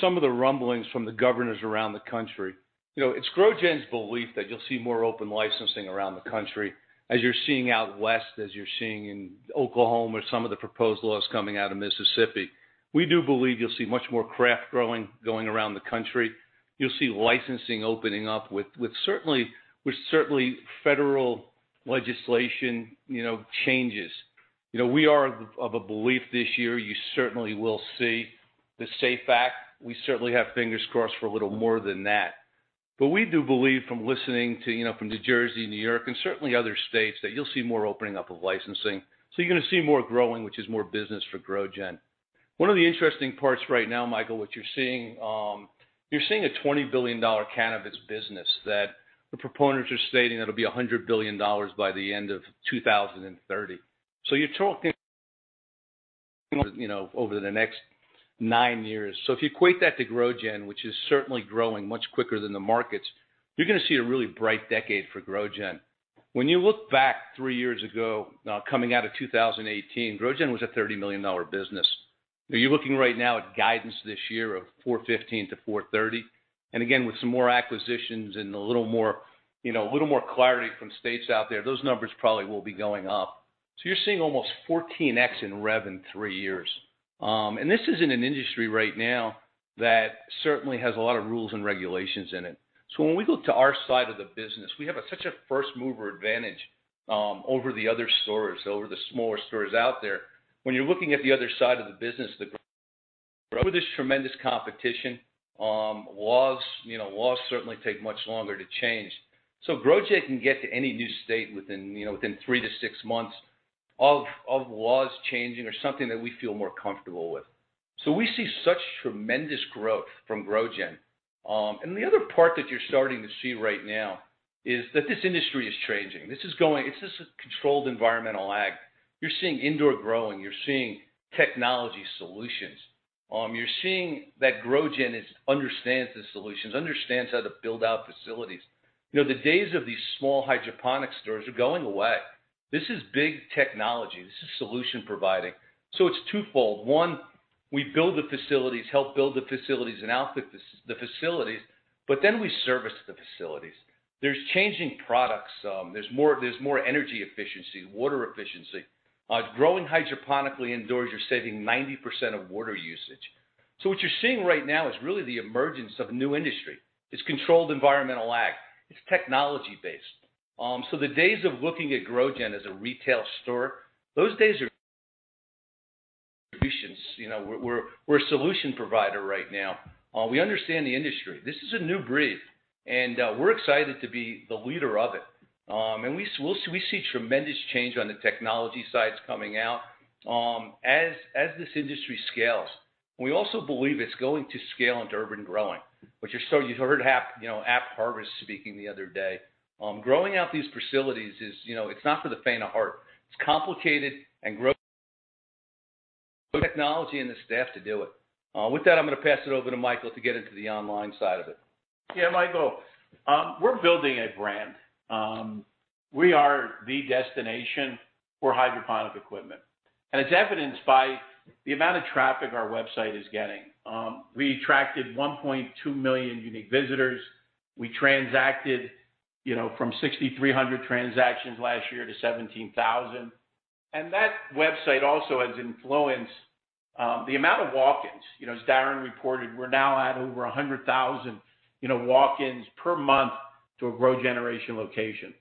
some of the rumblings from the governors around the country. It's GrowGen's belief that you'll see more open licensing around the country, as you're seeing out West, as you're seeing in Oklahoma, some of the proposed laws coming out of Mississippi. We do believe you'll see much more craft growing going around the country. You'll see licensing opening up with certainly, federal legislation changes. We are of a belief this year you certainly will see the SAFE Act. We certainly have fingers crossed for a little more than that. We do believe from listening from New Jersey, New York, and certainly other states, that you'll see more opening up of licensing. You're going to see more growing, which is more business for GrowGen. One of the interesting parts right now, Michael, what you're seeing, you're seeing a $20 billion cannabis business that the proponents are stating that'll be $100 billion by the end of 2030. You're talking over the next nine years. If you equate that to GrowGen, which is certainly growing much quicker than the markets, you're going to see a really bright decade for GrowGen. When you look back three years ago, coming out of 2018, GrowGen was a $30 million business. You're looking right now at guidance this year of $415 million-$430 million. Again, with some more acquisitions and a little more clarity from states out there, those numbers probably will be going up. You're seeing almost 14x in rev in three years. This is in an industry right now that certainly has a lot of rules and regulations in it. When we look to our side of the business, we have such a first-mover advantage over the other stores, over the smaller stores out there. When you're looking at the other side of the business, the grow, this tremendous competition. Laws certainly take much longer to change. GrowGen can get to any new state within three to six months of laws changing or something that we feel more comfortable with. We see such tremendous growth from GrowGen. The other part that you're starting to see right now is that this industry is changing. This is a Controlled Environment Agriculture. You're seeing indoor growing. You're seeing technology solutions. You're seeing that GrowGen understands the solutions, understands how to build out facilities. The days of these small hydroponic stores are going away. This is big technology. This is solution providing. It's twofold. One, we build the facilities, help build the facilities, and outfit the facilities, we service the facilities. There's changing products. There's more energy efficiency, water efficiency. Growing hydroponically indoors, you're saving 90% of water usage. What you're seeing right now is really the emergence of a new industry. It's Controlled Environment Agriculture. It's technology-based. The days of looking at GrowGen as a retail store, uncertain. We're a solution provider right now. We understand the industry. This is a new breed, we're excited to be the leader of it. We see tremendous change on the technology sides coming out. As this industry scales, we also believe it's going to scale into urban growing, which you heard AppHarvest speaking the other day. Growing out these facilities is not for the faint of heart. It's complicated, the technology and the staff to do it. With that, I'm going to pass it over to Michael Salaman to get into the online side of it. Yeah, Michael. We're building a brand. We are the destination for hydroponic equipment, and it's evidenced by the amount of traffic our website is getting. We attracted 1.2 million unique visitors. We transacted from 6,300 transactions last year to 17,000. That website also has influenced the amount of walk-ins. As Darren reported, we're now at over 100,000 walk-ins per month to a GrowGeneration location.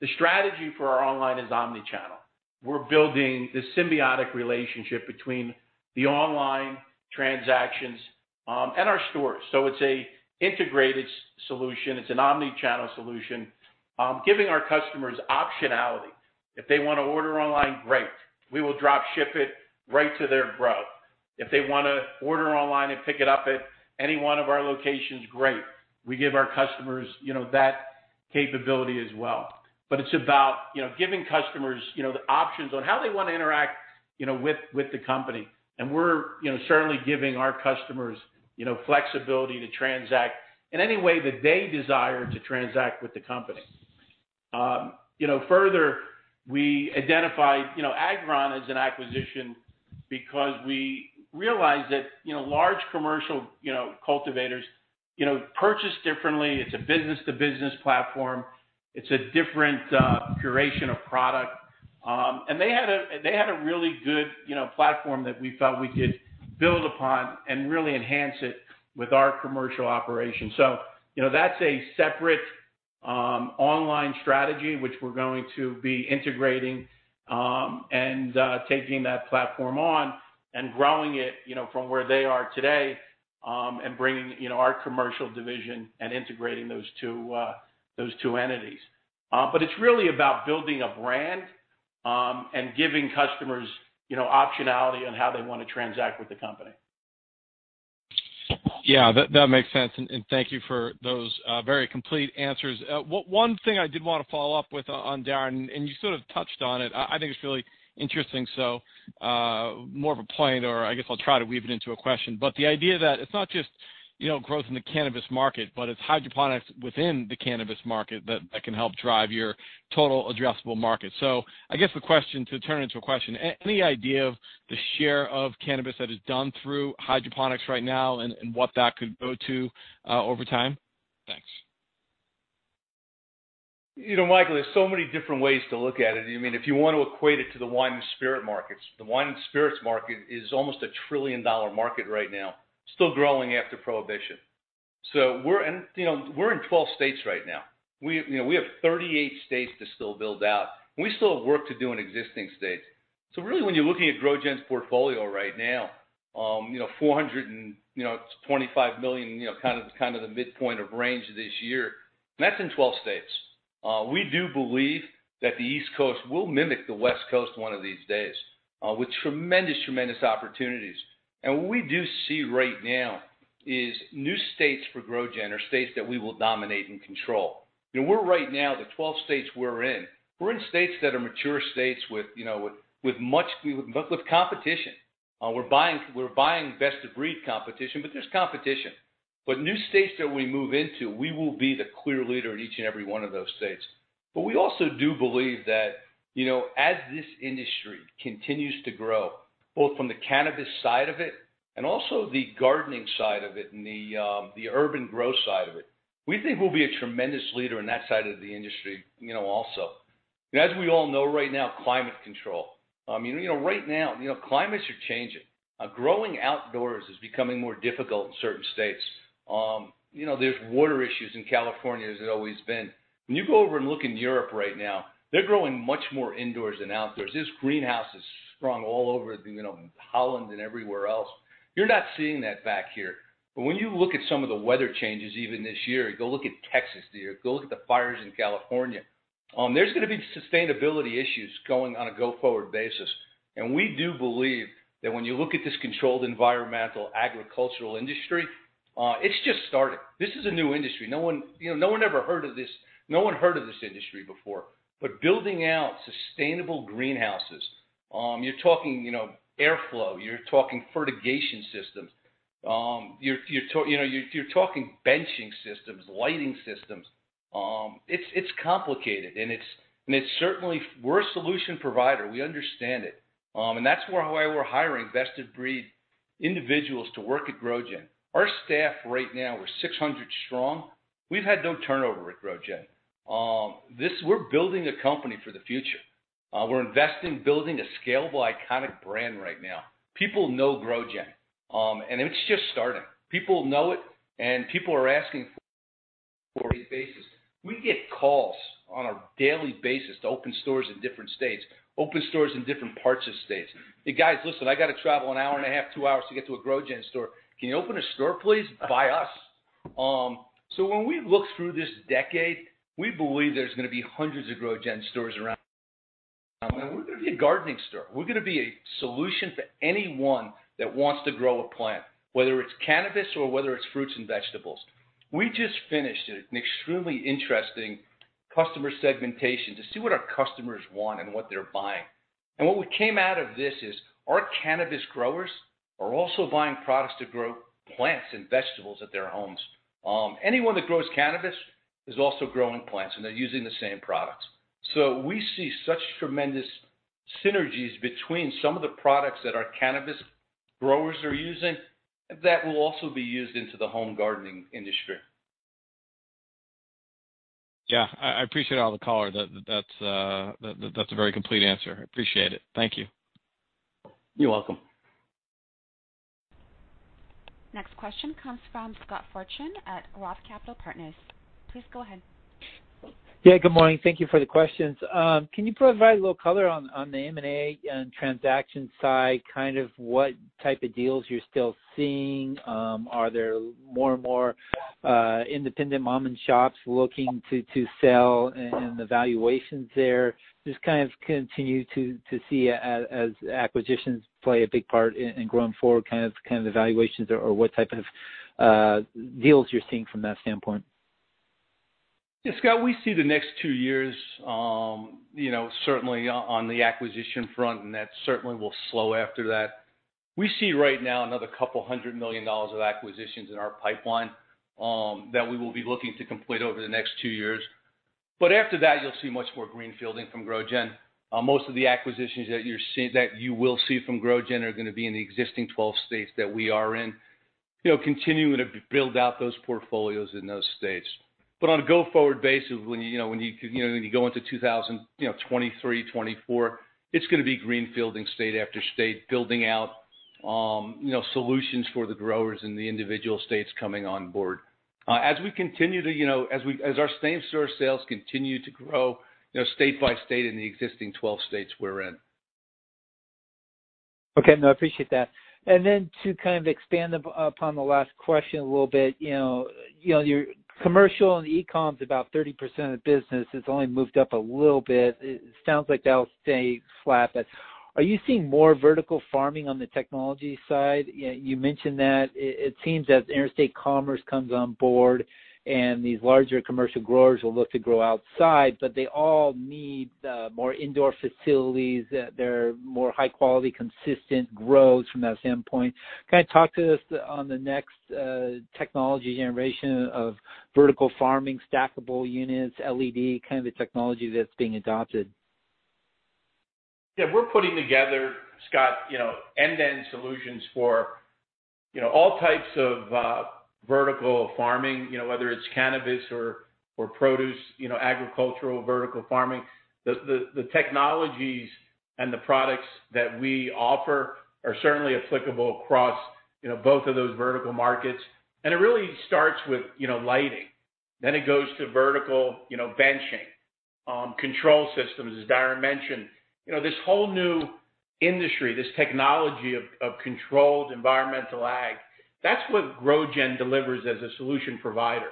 The strategy for our online is omnichannel. We're building this symbiotic relationship between the online transactions and our stores. It's an integrated solution, it's an omnichannel solution, giving our customers optionality. If they want to order online, great. We will drop ship it right to their grow. If they want to order online and pick it up at any one of our locations, great. We give our customers that capability as well. It's about giving customers the options on how they want to interact with the company. We're certainly giving our customers flexibility to transact in any way that they desire to transact with the company. Further, we identified Agron.io as an acquisition because we realized that large commercial cultivators purchase differently. It's a business-to-business platform. It's a different curation of product. They had a really good platform that we felt we could build upon and really enhance it with our commercial operation. That's a separate online strategy which we're going to be integrating and taking that platform on and growing it from where they are today and bringing our commercial division and integrating those two entities. It's really about building a brand and giving customers optionality on how they want to transact with the company. Yeah, that makes sense. Thank you for those very complete answers. One thing I did want to follow up with on Darren, and you sort of touched on it. I think it's really interesting, so more of a point, or I guess I'll try to weave it into a question, but the idea that it's not just growth in the cannabis market, but it's hydroponics within the cannabis market that can help drive your total addressable market. I guess to turn it into a question, any idea of the share of cannabis that is done through hydroponics right now and what that could go to over time? Thanks. Michael, there's so many different ways to look at it. If you want to equate it to the wine and spirit markets, the wine and spirits market is almost a $1 trillion market right now, still growing after prohibition. We're in 12 states right now. We have 38 states to still build out, and we still have work to do in existing states. Really, when you're looking at GrowGen's portfolio right now, $425 million, kind of the midpoint of range this year, and that's in 12 states. We do believe that the East Coast will mimic the West Coast one of these days, with tremendous opportunities. What we do see right now is new states for GrowGen are states that we will dominate and control. Right now, the 12 states we're in, we're in states that are mature states with competition. We're buying best-of-breed competition, but there's competition. New states that we move into, we will be the clear leader in each and every one of those states. We also do believe that as this industry continues to grow, both from the cannabis side of it and also the gardening side of it and the urban growth side of it, we think we'll be a tremendous leader in that side of the industry also. As we all know right now, climate control. Right now, climates are changing. Growing outdoors is becoming more difficult in certain states. There's water issues in California, as there's always been. When you go over and look in Europe right now, they're growing much more indoors than outdoors. There's greenhouses sprung all over Holland and everywhere else. You're not seeing that back here. When you look at some of the weather changes, even this year, go look at Texas, go look at the fires in California. There's going to be sustainability issues going on a go-forward basis. We do believe that when you look at this Controlled Environment Agriculture industry, it's just starting. This is a new industry. No one ever heard of this industry before. Building out sustainable greenhouses, you're talking airflow, you're talking fertigation systems. You're talking benching systems, lighting systems. It's complicated, and we're a solution provider. We understand it. That's why we're hiring best-of-breed individuals to work at GrowGen. Our staff right now, we're 600 strong. We've had no turnover at GrowGen. We're building a company for the future. We're investing in building a scalable, iconic brand right now. People know GrowGen, and it's just starting. People know it, and people are asking for it on a daily basis. We get calls on a daily basis to open stores in different states, open stores in different parts of states. "Hey, guys, listen, I got to travel an hour and a half, two hours to get to a GrowGen store. Can you open a store, please, by us?" When we look through this decade, we believe there's going to be hundreds of GrowGen stores around. We're going to be a gardening store. We're going to be a solution for anyone that wants to grow a plant, whether it's cannabis or whether it's fruits and vegetables. We just finished an extremely interesting customer segmentation to see what our customers want and what they're buying. What came out of this is our cannabis growers are also buying products to grow plants and vegetables at their homes. Anyone that grows cannabis is also growing plants, and they're using the same products. We see such tremendous synergies between some of the products that our cannabis growers are using that will also be used into the home gardening industry. Yeah. I appreciate all the color. That's a very complete answer. I appreciate it. Thank you. You're welcome. Next question comes from Scott Fortune at Roth Capital Partners. Please go ahead. Yeah, good morning. Thank you for the questions. Can you provide a little color on the M&A and transaction side, kind of what type of deals you're still seeing? Are there more and more independent mom and shops looking to sell and the valuations there? Just kind of continue to see as acquisitions play a big part in growing forward kind of valuations or what type of deals you're seeing from that standpoint? Yeah, Scott, we see the next two years, certainly on the acquisition front. That certainly will slow after that. We see right now another couple $100 million of acquisitions in our pipeline that we will be looking to complete over the next two years. After that, you'll see much more greenfielding from GrowGen. Most of the acquisitions that you will see from GrowGen are going to be in the existing 12 states that we are in, continuing to build out those portfolios in those states. On a go-forward basis, when you go into 2023, 2024, it's going to be greenfielding state after state, building out solutions for the growers in the individual states coming on board. As our same-store sales continue to grow state by state in the existing 12 states we're in. Okay. No, I appreciate that. Then to kind of expand upon the last question a little bit, your commercial and e-comm's about 30% of the business. It's only moved up a little bit. It sounds like that'll stay flat. Are you seeing more vertical farming on the technology side? You mentioned that it seems as interstate commerce comes on board and these larger commercial growers will look to grow outside, but they all need more indoor facilities. They're more high-quality, consistent grows from that standpoint. Can I talk to this on the next technology generation of vertical farming, stackable units, LED, kind of the technology that's being adopted? Yeah. We're putting together, Scott, end-to-end solutions for all types of vertical farming, whether it's cannabis or produce, agricultural vertical farming. The technologies and the products that we offer are certainly applicable across both of those vertical markets. It really starts with lighting. It goes to vertical benching, control systems, as Darren mentioned. This whole new industry, this technology of Controlled Environment Agriculture, that's what GrowGen delivers as a solution provider.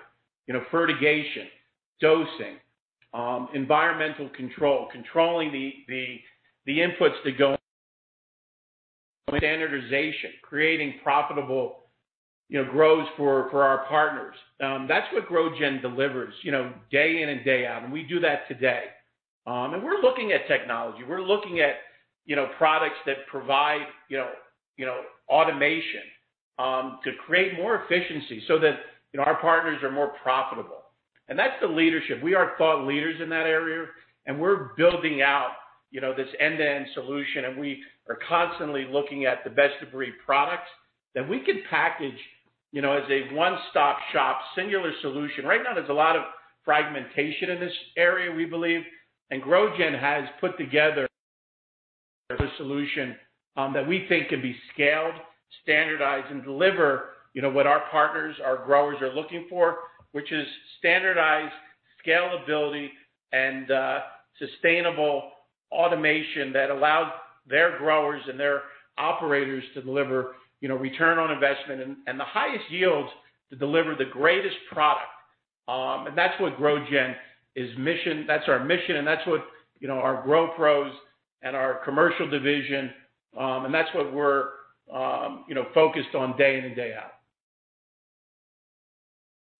fertigation, dosing, environmental control, controlling the inputs that go, standardization, creating profitable grows for our partners. That's what GrowGen delivers day in and day out, and we do that today. We're looking at technology. We're looking at products that provide automation to create more efficiency so that our partners are more profitable. That's the leadership. We are thought leaders in that area, and we're building out this end-to-end solution, and we are constantly looking at the best-of-breed products that we can package as a one-stop shop, singular solution. Right now, there's a lot of fragmentation in this area, we believe, and GrowGen has put together the solution that we think can be scaled, standardized, and deliver what our partners, our growers are looking for, which is standardized scalability and sustainable automation that allows their growers and their operators to deliver return on investment and the highest yields to deliver the greatest product. That's what GrowGen, that's our mission, and that's what our growth pros and our commercial division, and that's what we're focused on day in and day out.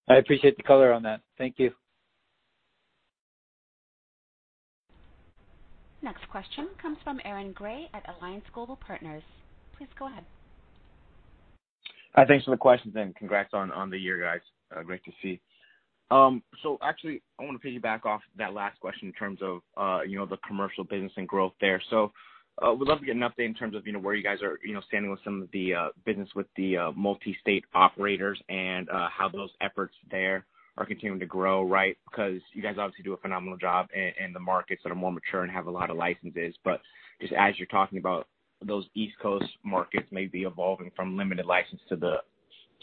I appreciate the color on that. Thank you. Next question comes from Aaron Grey at Alliance Global Partners. Please go ahead. Thanks for the questions, and congrats on the year, guys. Great to see. Actually, I want to piggyback off that last question in terms of the commercial business and growth there. Would love to get an update in terms of where you guys are standing with some of the business with the multi-state operators and how those efforts there are continuing to grow, right? Because you guys obviously do a phenomenal job in the markets that are more mature and have a lot of licenses. Just as you're talking about those East Coast markets may be evolving from limited license to the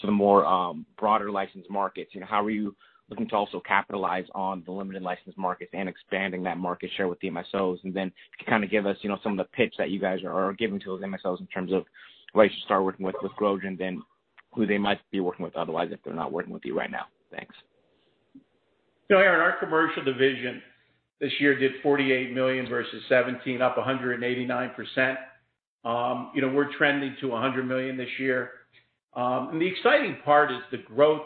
more broader license markets, how are you looking to also capitalize on the limited license markets and expanding that market share with the MSOs? Then if you could kind of give us some of the pitch that you guys are giving to those MSOs in terms of why you should start working with GrowGen than who they might be working with otherwise if they're not working with you right now. Thanks. Aaron Grey, our commercial division this year did $48 million versus $17 million, up 189%. We're trending to $100 million this year. The exciting part is the growth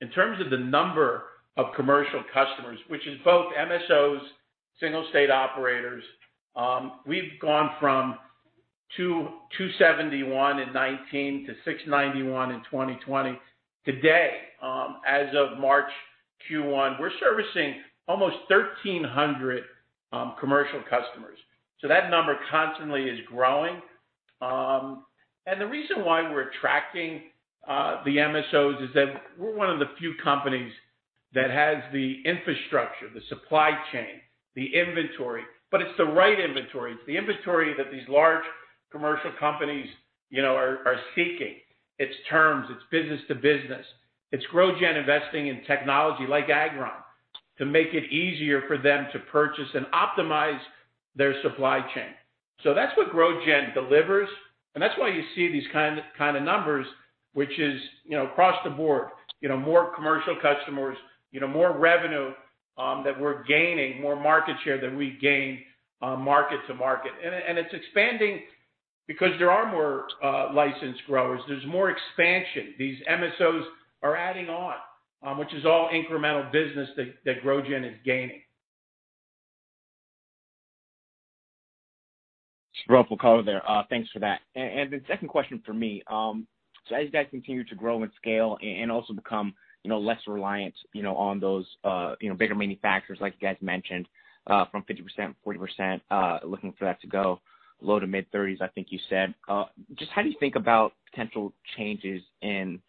in terms of the number of commercial customers, which is both MSOs, single state operators. We've gone from 271 in 2019 to 691 in 2020. Today, as of March Q1, we're servicing almost 1,300 commercial customers. That number constantly is growing. The reason why we're attracting the MSOs is that we're one of the few companies that has the infrastructure, the supply chain, the inventory, but it's the right inventory. It's the inventory that these large commercial companies are seeking. It's terms, it's business to business. It's GrowGen investing in technology like Agron.io to make it easier for them to purchase and optimize their supply chain. That's what GrowGen delivers, and that's why you see these kind of numbers, which is across the board, more commercial customers, more revenue that we're gaining, more market share that we gain market to market. It's expanding because there are more licensed growers. There's more expansion. These MSOs are adding on, which is all incremental business that GrowGen is gaining. It's a helpful color there. Thanks for that. The second question from me. As you guys continue to grow and scale and also become less reliant on those bigger manufacturers, like you guys mentioned, from 50% and 40%, looking for that to go low to mid-30s, I think you said. Just how do you think about potential changes in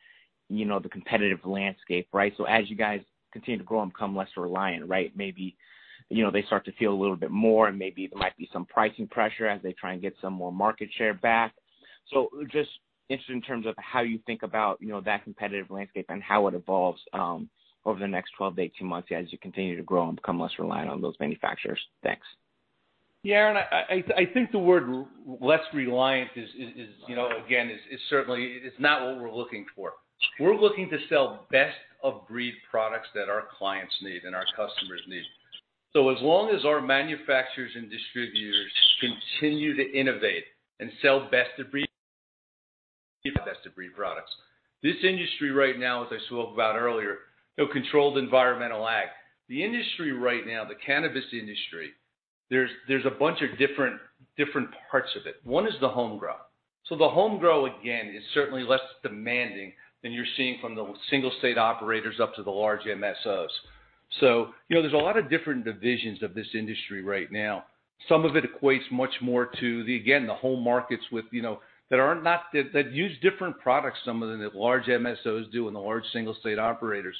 the competitive landscape, right? As you guys continue to grow and become less reliant, right, maybe they start to feel a little bit more, and maybe there might be some pricing pressure as they try and get some more market share back. Just interested in terms of how you think about that competitive landscape and how it evolves over the next 12-18 months as you continue to grow and become less reliant on those manufacturers. Thanks. Aaron, I think the word less reliant, again, certainly is not what we're looking for. We're looking to sell best-of-breed products that our clients need and our customers need. As long as our manufacturers and distributors continue to innovate and sell best-of-breed products. This industry right now, as I spoke about earlier, Controlled Environment Agriculture, the cannabis industry, there's a bunch of different parts of it. One is the home grow. The home grow, again, is certainly less demanding than you're seeing from the single state operators up to the large MSOs. There's a lot of different divisions of this industry right now. Some of it equates much more to, again, the home markets that use different products, some of them, than large MSOs do, and the large single state operators.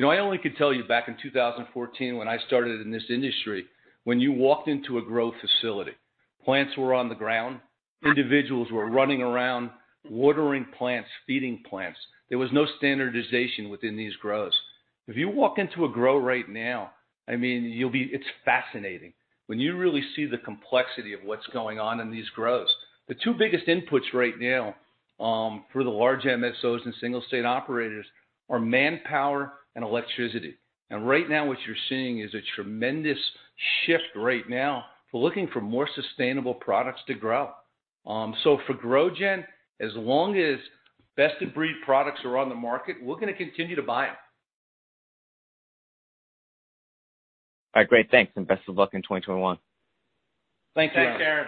I only can tell you back in 2014 when I started in this industry, when you walked into a grow facility, plants were on the ground. Individuals were running around watering plants, feeding plants. There was no standardization within these grows. If you walk into a grow right now, it's fascinating. When you really see the complexity of what's going on in these grows. The two biggest inputs right now, for the large MSOs and single state operators, are manpower and electricity. Right now what you're seeing is a tremendous shift right now for looking for more sustainable products to grow. For GrowGen, as long as best-of-breed products are on the market, we're going to continue to buy them. All right. Great. Thanks. Best of luck in 2021. Thanks, Aaron.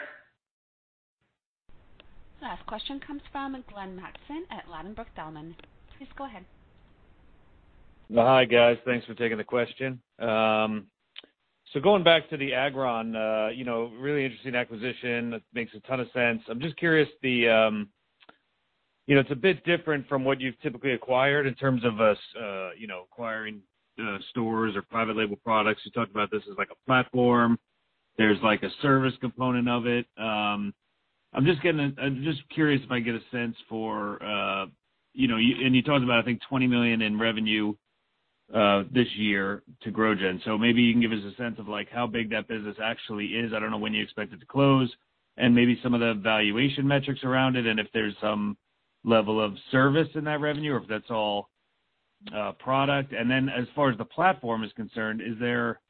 Last question comes from Glenn Mattson at Ladenburg Thalmann. Please go ahead. Hi, guys. Thanks for taking the question. Going back to the Agron.io, really interesting acquisition that makes a ton of sense. I'm just curious, it's a bit different from what you've typically acquired in terms of acquiring stores or private label products. You talked about this as like a platform. There's a service component of it. I'm just curious if I can get a sense for and you talked about, I think, $20 million in revenue this year to GrowGen. Maybe you can give us a sense of how big that business actually is. I don't know when you expect it to close, and maybe some of the valuation metrics around it, and if there's some level of service in that revenue, or if that's all product. As far as the platform is concerned, is there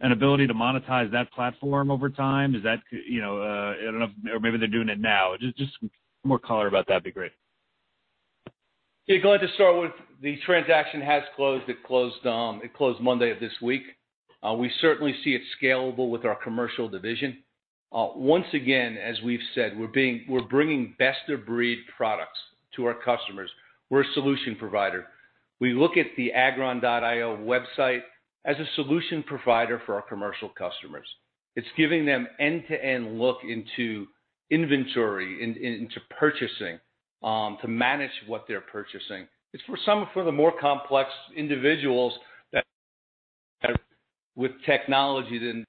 an ability to monetize that platform over time? I don't know, or maybe they're doing it now. Just more color about that'd be great. Yeah, Glenn, to start with, the transaction has closed. It closed Monday of this week. We certainly see it scalable with our commercial division. Once again, as we've said, we're bringing best-of-breed products to our customers. We're a solution provider. We look at the agron.io website as a solution provider for our commercial customers. It's giving them end-to-end look into inventory, into purchasing, to manage what they're purchasing. It's for some of the more complex individuals that, with technology than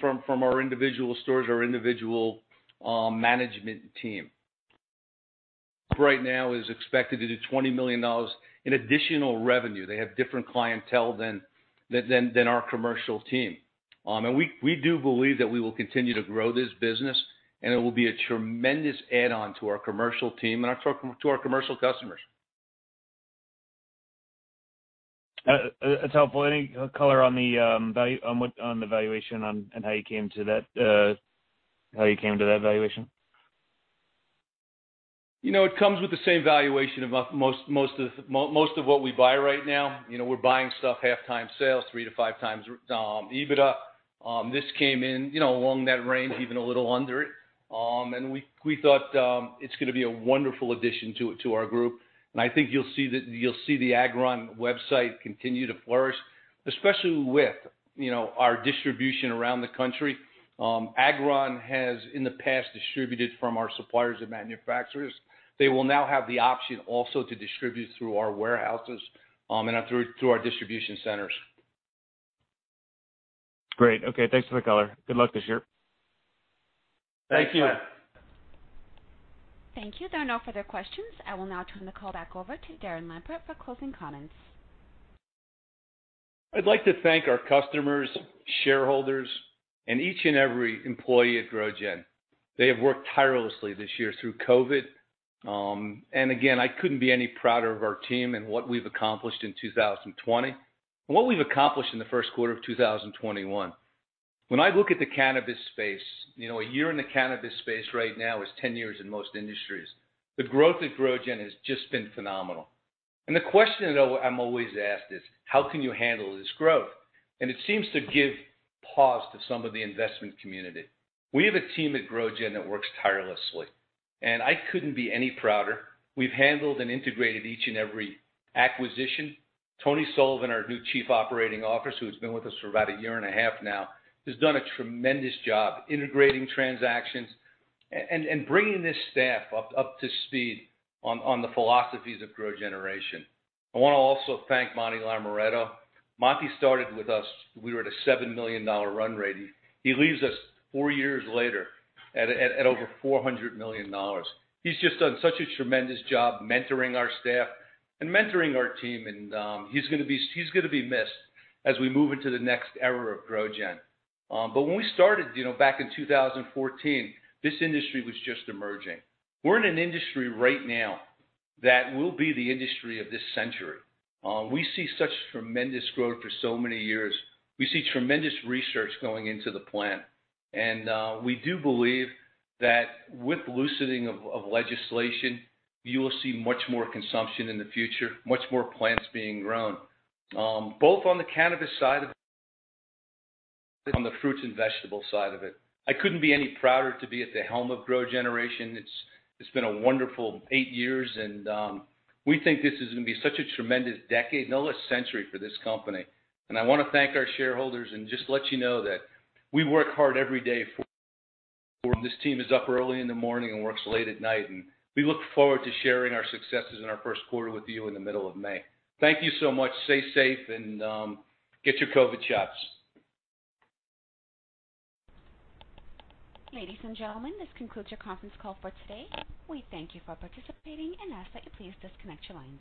from our individual stores or individual management team. Right now is expected to do $20 million in additional revenue. They have different clientele than our commercial team. We do believe that we will continue to grow this business, and it will be a tremendous add-on to our commercial team and to our commercial customers. That's helpful. Any color on the valuation, and how you came to that valuation? It comes with the same valuation of most of what we buy right now. We're buying stuff half time sales, three to five times EBITDA. This came in along that range, even a little under it. We thought, it's going to be a wonderful addition to our group. I think you'll see the Agron.io website continue to flourish, especially with our distribution around the country. Agron.io has, in the past, distributed from our suppliers and manufacturers. They will now have the option also to distribute through our warehouses, and through our distribution centers. Great. Okay. Thanks for the color. Good luck this year. Thank you. Thank you. There are no further questions. I will now turn the call back over to Darren Lampert for closing comments. I'd like to thank our customers, shareholders, and each and every employee at GrowGen. They have worked tirelessly this year through COVID. Again, I couldn't be any prouder of our team and what we've accomplished in 2020, and what we've accomplished in the first quarter of 2021. When I look at the cannabis space, a year in the cannabis space right now is 10 years in most industries. The growth at GrowGen has just been phenomenal. The question I'm always asked is, how can you handle this growth? It seems to give pause to some of the investment community. We have a team at GrowGen that works tirelessly, and I couldn't be any prouder. We've handled and integrated each and every acquisition. Tony Sullivan, our new Chief Operating Officer, who's been with us for about a year and a half now, has done a tremendous job integrating transactions and bringing this staff up to speed on the philosophies of GrowGeneration. I want to also thank Monty Lamirato. Monty started with us, we were at a $7 million run rate. He leaves us four years later at over $400 million. He's just done such a tremendous job mentoring our staff and mentoring our team, and he's going to be missed as we move into the next era of GrowGen. When we started back in 2014, this industry was just emerging. We're in an industry right now that will be the industry of this century. We see such tremendous growth for so many years. We see tremendous research going into the plant. We do believe that with loosening of legislation, you will see much more consumption in the future, much more plants being grown, both on the cannabis side of, on the fruits and vegetable side of it. I couldn't be any prouder to be at the helm of GrowGeneration. It's been a wonderful eight years. We think this is going to be such a tremendous decade, let alone a century, for this company. I want to thank our shareholders and just let you know that we work hard every day, this team is up early in the morning and works late at night. We look forward to sharing our successes in our first quarter with you in the middle of May. Thank you so much. Stay safe and get your COVID shots. Ladies and gentlemen, this concludes your conference call for today. We thank you for participating and ask that you please disconnect your lines.